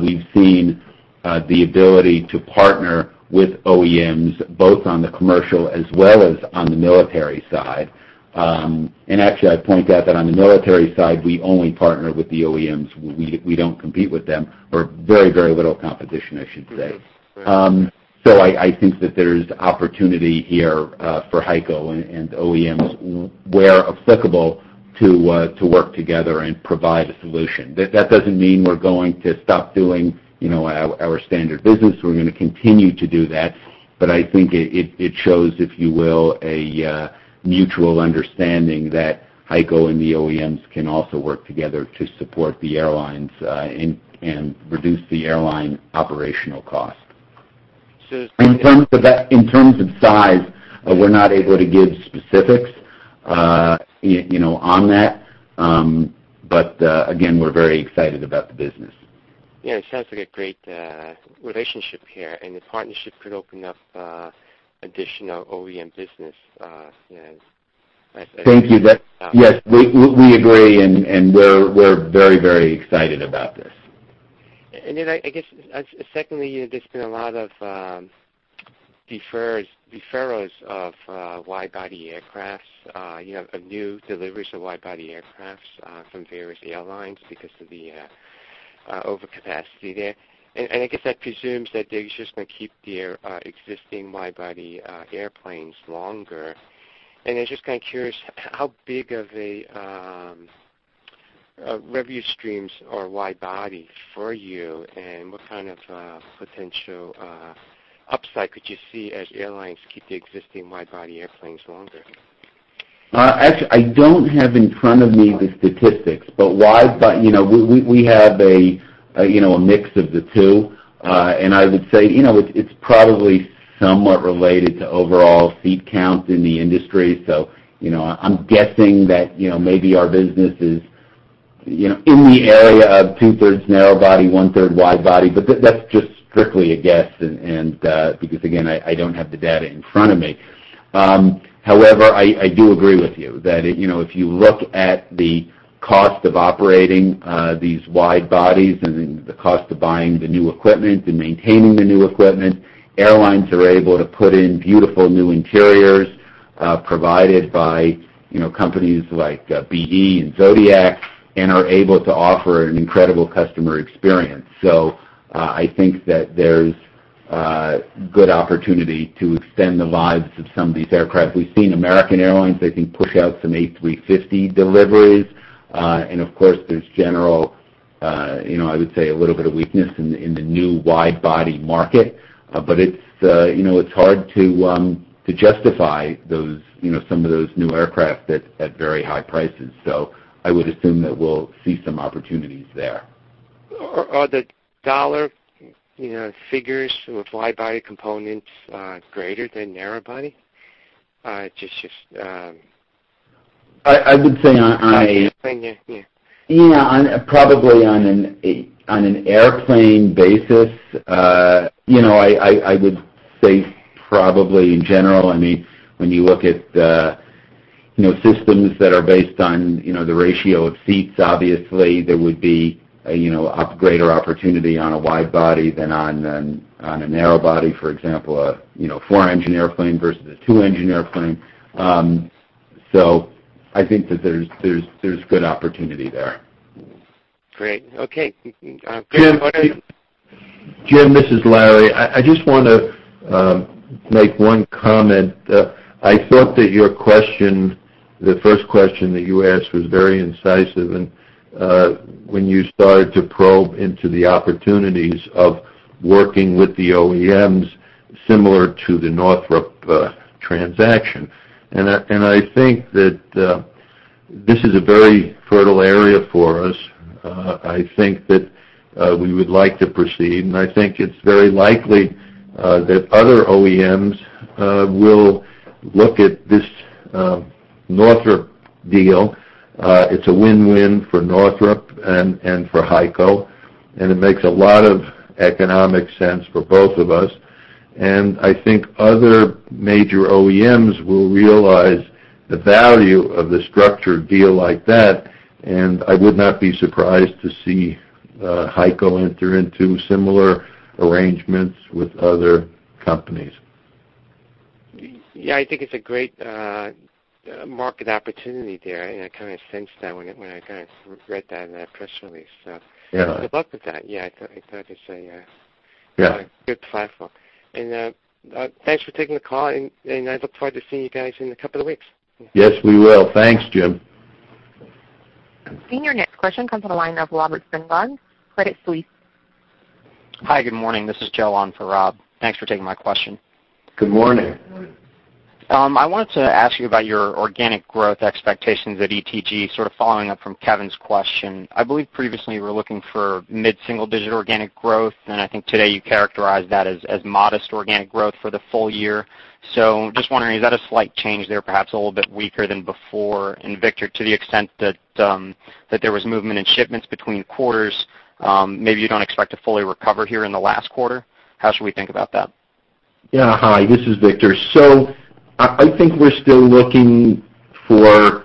we've seen the ability to partner with OEMs, both on the commercial as well as on the military side. Actually, I'd point out that on the military side, we only partner with the OEMs. We don't compete with them, or very little competition, I should say. Right. I think that there's opportunity here for HEICO and OEMs where applicable to work together and provide a solution. That doesn't mean we're going to stop doing our standard business. We're going to continue to do that. I think it shows, if you will, a mutual understanding that HEICO and the OEMs can also work together to support the airlines and reduce the airline operational cost. So- In terms of size, we're not able to give specifics on that. Again, we're very excited about the business. Yeah, it sounds like a great relationship here. The partnership could open up additional OEM business. Thank you. Yes, we agree. We're very excited about this. I guess secondly, there's been a lot of deferrals of wide-body aircraft, new deliveries of wide-body aircraft from various airlines because of the overcapacity there. I guess that presumes that they're just going to keep their existing wide-body airplanes longer. I'm just kind of curious, how big of a revenue streams are wide-body for you, and what kind of potential upside could you see as airlines keep the existing wide-body airplanes longer? I don't have in front of me the statistics. We have a mix of the two, and I would say it's probably somewhat related to overall seat count in the industry. I'm guessing that maybe our business is in the area of two-thirds narrow body, one-third wide body, but that's just strictly a guess because, again, I don't have the data in front of me. I do agree with you that if you look at the cost of operating these wide bodies and the cost of buying the new equipment and maintaining the new equipment, airlines are able to put in beautiful new interiors, provided by companies like BE and Zodiac, and are able to offer an incredible customer experience. I think that there's good opportunity to extend the lives of some of these aircraft. We've seen American Airlines, they can push out some A350 deliveries. Of course, there's general, I would say, a little bit of weakness in the new wide body market. It's hard to justify some of those new aircraft at very high prices. I would assume that we'll see some opportunities there. Are the dollar figures with wide body components greater than narrow body? I would say On an airplane, yeah. Yeah, probably on an airplane basis, I would say probably in general, when you look at systems that are based on the ratio of seats, obviously, there would be a greater opportunity on a wide body than on a narrow body, for example, a four-engine airplane versus a two-engine airplane. I think that there's good opportunity there. Great. Okay. Jim, this is Larry. I just want to make one comment. I thought that the first question that you asked was very incisive, when you started to probe into the opportunities of working with the OEMs similar to the Northrop transaction. I think that this is a very fertile area for us. I think that we would like to proceed, I think it's very likely that other OEMs will look at this Northrop deal. It's a win-win for Northrop and for HEICO, it makes a lot of economic sense for both of us. I think other major OEMs will realize the value of the structured deal like that, I would not be surprised to see HEICO enter into similar arrangements with other companies. Yeah, I think it's a great market opportunity there, and I kind of sensed that when I read that in that press release. Yeah. Good luck with that. Yeah, I thought it's. Yeah good platform. Thanks for taking the call, and I look forward to seeing you guys in a couple of weeks. Yes, we will. Thanks, Jim. Your next question comes from the line of Robert Spingarn, Credit Suisse. Hi, good morning. This is Joe on for Rob. Thanks for taking my question. Good morning. I wanted to ask you about your organic growth expectations at ETG, sort of following up from Kevin's question. I believe previously you were looking for mid-single digit organic growth, and I think today you characterized that as modest organic growth for the full year. Just wondering, is that a slight change there, perhaps a little bit weaker than before? Victor, to the extent that there was movement in shipments between quarters, maybe you don't expect to fully recover here in the last quarter. How should we think about that? Yeah. Hi, this is Victor. I think we're still looking for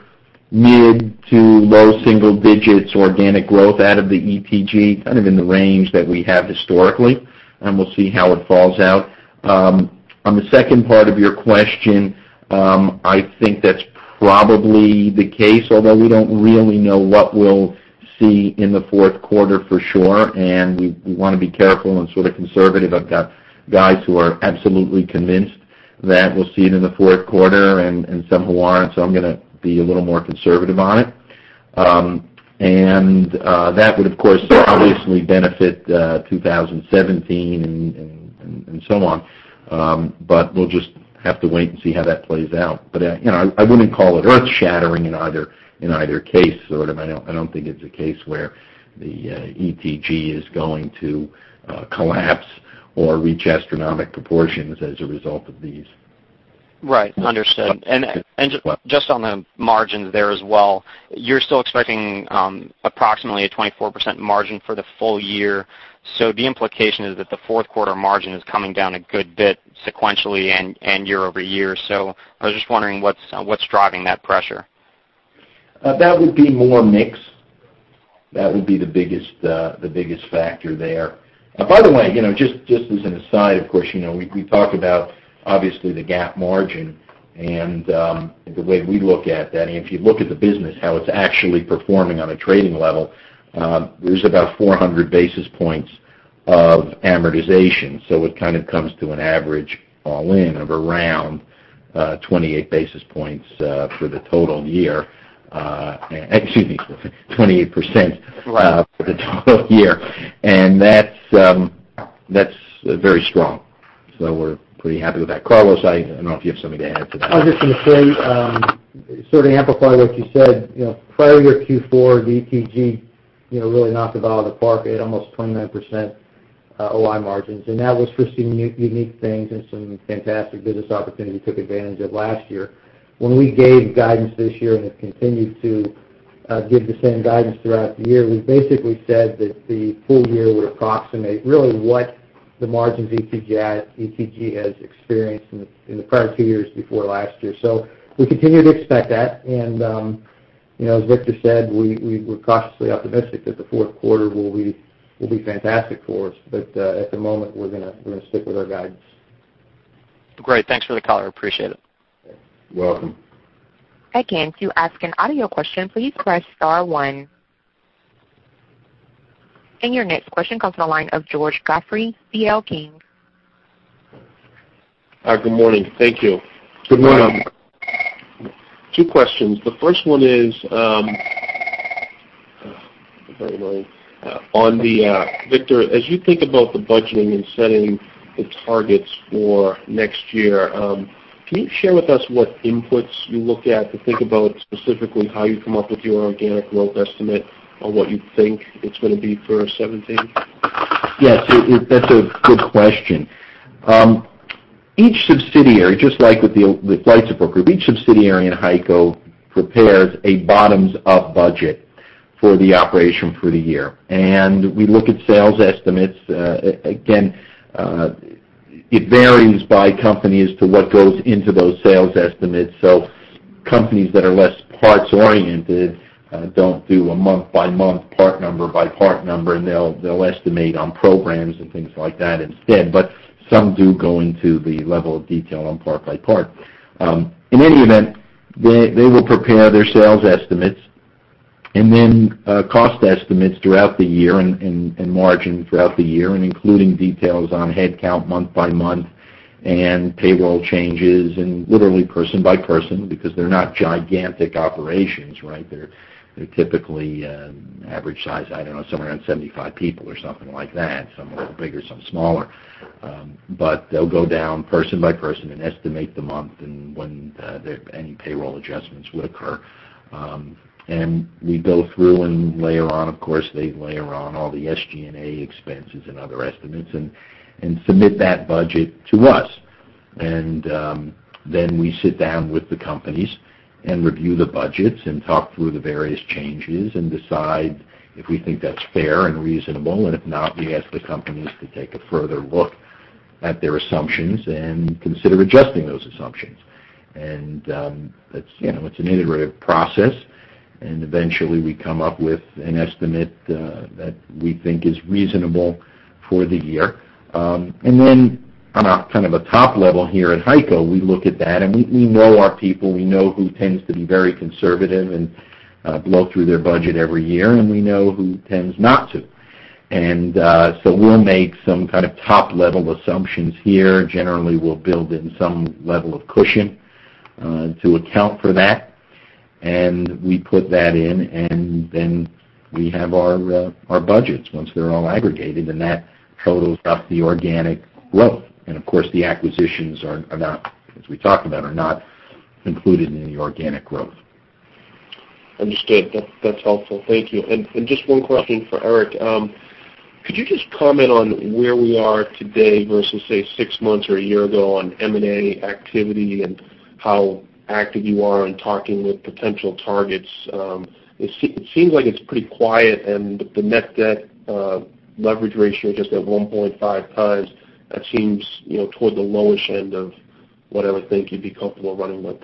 mid to low single digits organic growth out of the ETG, kind of in the range that we have historically, and we'll see how it falls out. On the second part of your question, I think that's probably the case, although we don't really know what we'll see in the fourth quarter for sure, and we want to be careful and sort of conservative. I've got guys who are absolutely convinced that we'll see it in the fourth quarter and some who aren't. I'm going to be a little more conservative on it. That would, of course, obviously benefit 2017 and so on. We'll just have to wait and see how that plays out. I wouldn't call it earth-shattering in either case. I don't think it's a case where the ETG is going to collapse or reach astronomic proportions as a result of these. Right. Understood. Just on the margins there as well, you're still expecting approximately a 24% margin for the full year. The implication is that the fourth quarter margin is coming down a good bit sequentially and year-over-year. I was just wondering what's driving that pressure? That would be more mix. That would be the biggest factor there. By the way, just as an aside, of course, we talk about, obviously, the GAAP margin and the way we look at that. If you look at the business, how it's actually performing on a trading level, there's about 400 basis points of amortization. It kind of comes to an average all-in of around 28 basis points for the total year. Excuse me, 28% for the total year. That's very strong. We're pretty happy with that. Carlos, I don't know if you have something to add to that. I was just going to say, sort of amplify what you said. Prior year Q4, the ETG really knocked the ball out of the park at almost 29%. OI margins, and that was for some unique things and some fantastic business opportunities we took advantage of last year. When we gave guidance this year, and have continued to give the same guidance throughout the year, we basically said that the full year would approximate really what the margins ETG has experienced in the prior two years before last year. We continue to expect that, and as Victor said, we're cautiously optimistic that the fourth quarter will be fantastic for us. At the moment, we're going to stick with our guidance. Great. Thanks for the call. I appreciate it. You're welcome. To ask an audio question, please press star one. Your next question comes from the line of George Godfrey, C.L. King. Hi. Good morning. Thank you. Good morning. Two questions. The first one is, Victor, as you think about the budgeting and setting the targets for next year, can you share with us what inputs you look at to think about specifically how you come up with your organic growth estimate on what you think it's going to be for 2017? Yes. That's a good question. Each subsidiary, just like with the Flight Support Group, each subsidiary in HEICO prepares a bottoms-up budget for the operation for the year. We look at sales estimates. Again, it varies by company as to what goes into those sales estimates. Companies that are less parts-oriented don't do a month-by-month, part number by part number, and they'll estimate on programs and things like that instead. Some do go into the level of detail on part by part. In any event, they will prepare their sales estimates and then cost estimates throughout the year, and margin throughout the year, and including details on headcount month by month and payroll changes, and literally person by person, because they're not gigantic operations, right? They're typically an average size, I don't know, somewhere around 75 people or something like that. Some a little bigger, some smaller. They'll go down person by person and estimate the month and when any payroll adjustments would occur. We go through and layer on, of course, they layer on all the SG&A expenses and other estimates and submit that budget to us. We sit down with the companies and review the budgets and talk through the various changes and decide if we think that's fair and reasonable. If not, we ask the companies to take a further look at their assumptions and consider adjusting those assumptions. It's an iterative process, and eventually, we come up with an estimate that we think is reasonable for the year. On a kind of a top level here at HEICO, we look at that, and we know our people. We know who tends to be very conservative and blow through their budget every year, and we know who tends not to. We'll make some kind of top-level assumptions here. Generally, we'll build in some level of cushion to account for that. We put that in, and then we have our budgets once they're all aggregated, and that totals up the organic growth. Of course, the acquisitions are not, as we talked about, are not included in the organic growth. Understood. That's helpful. Thank you. Just one question for Eric. Could you just comment on where we are today versus, say, six months or a year ago on M&A activity and how active you are in talking with potential targets? It seems like it's pretty quiet and the net debt leverage ratio just at 1.5 times, that seems toward the lowest end of what I would think you'd be comfortable running with.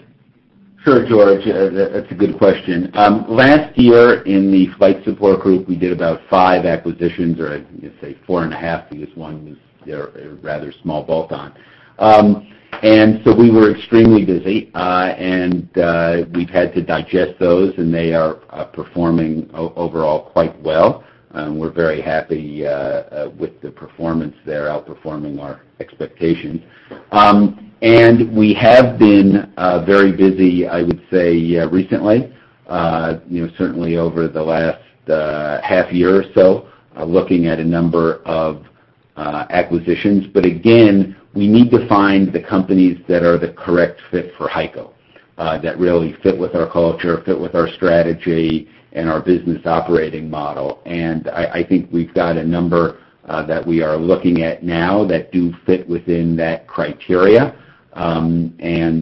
Sure, George. That's a good question. Last year in the Flight Support Group, we did about 5 acquisitions, or I'd say four and a half because one was a rather small bolt-on. We were extremely busy. We've had to digest those, and they are performing overall quite well. We're very happy with the performance. They're outperforming our expectations. We have been very busy, I would say, recently, certainly over the last half year or so, looking at a number of acquisitions. Again, we need to find the companies that are the correct fit for HEICO, that really fit with our culture, fit with our strategy and our business operating model. I think we've got a number that we are looking at now that do fit within that criteria. We're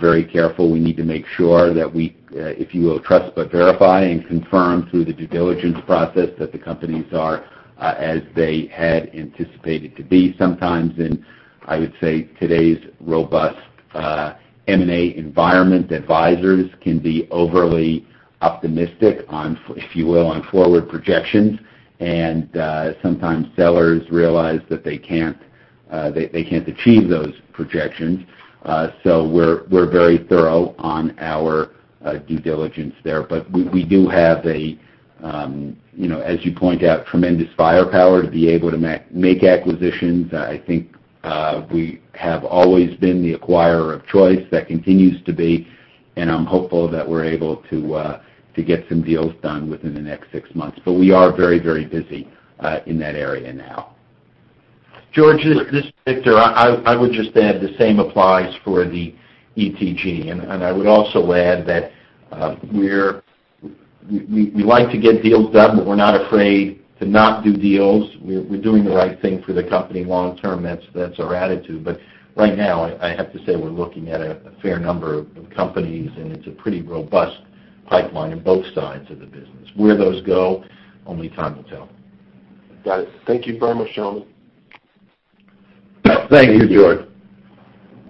very careful. We need to make sure that we, if you will, trust but verify and confirm through the due diligence process that the companies are as they had anticipated to be. Sometimes in, I would say, today's robust M&A environment, advisors can be overly optimistic on, if you will, on forward projections. Sometimes sellers realize that they can't achieve those projections. We're very thorough on our due diligence there. We do have a, as you point out, tremendous firepower to be able to make acquisitions. I think we have always been the acquirer of choice. That continues to be, I'm hopeful that we're able to get some deals done within the next 6 months. We are very, very busy in that area now. George, this is Victor. I would just add the same applies for the ETG. I would also add that we like to get deals done, we're not afraid to not do deals. We're doing the right thing for the company long term. That's our attitude. Right now, I have to say, we're looking at a fair number of companies, it's a pretty robust pipeline in both sides of the business. Where those go, only time will tell. Got it. Thank you very much, gentlemen. Thank you, George.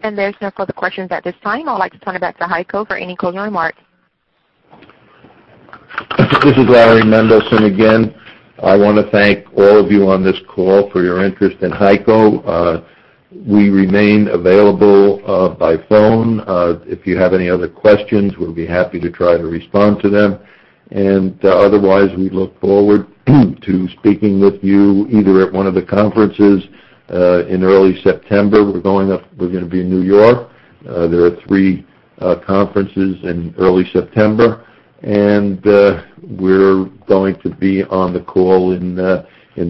There's no further questions at this time. I'd like to turn it back to HEICO for any closing remarks. This is Larry Mendelson again. I want to thank all of you on this call for your interest in HEICO. We remain available by phone. If you have any other questions, we'll be happy to try to respond to them. Otherwise, we look forward to speaking with you either at one of the conferences in early September. We're going to be in New York. There are three conferences in early September, and we're going to be on the call in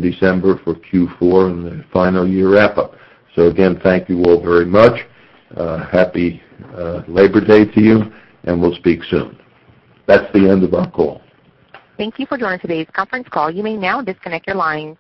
December for Q4 and the final year wrap-up. Again, thank you all very much. Happy Labor Day to you, and we'll speak soon. That's the end of our call. Thank you for joining today's conference call. You may now disconnect your lines.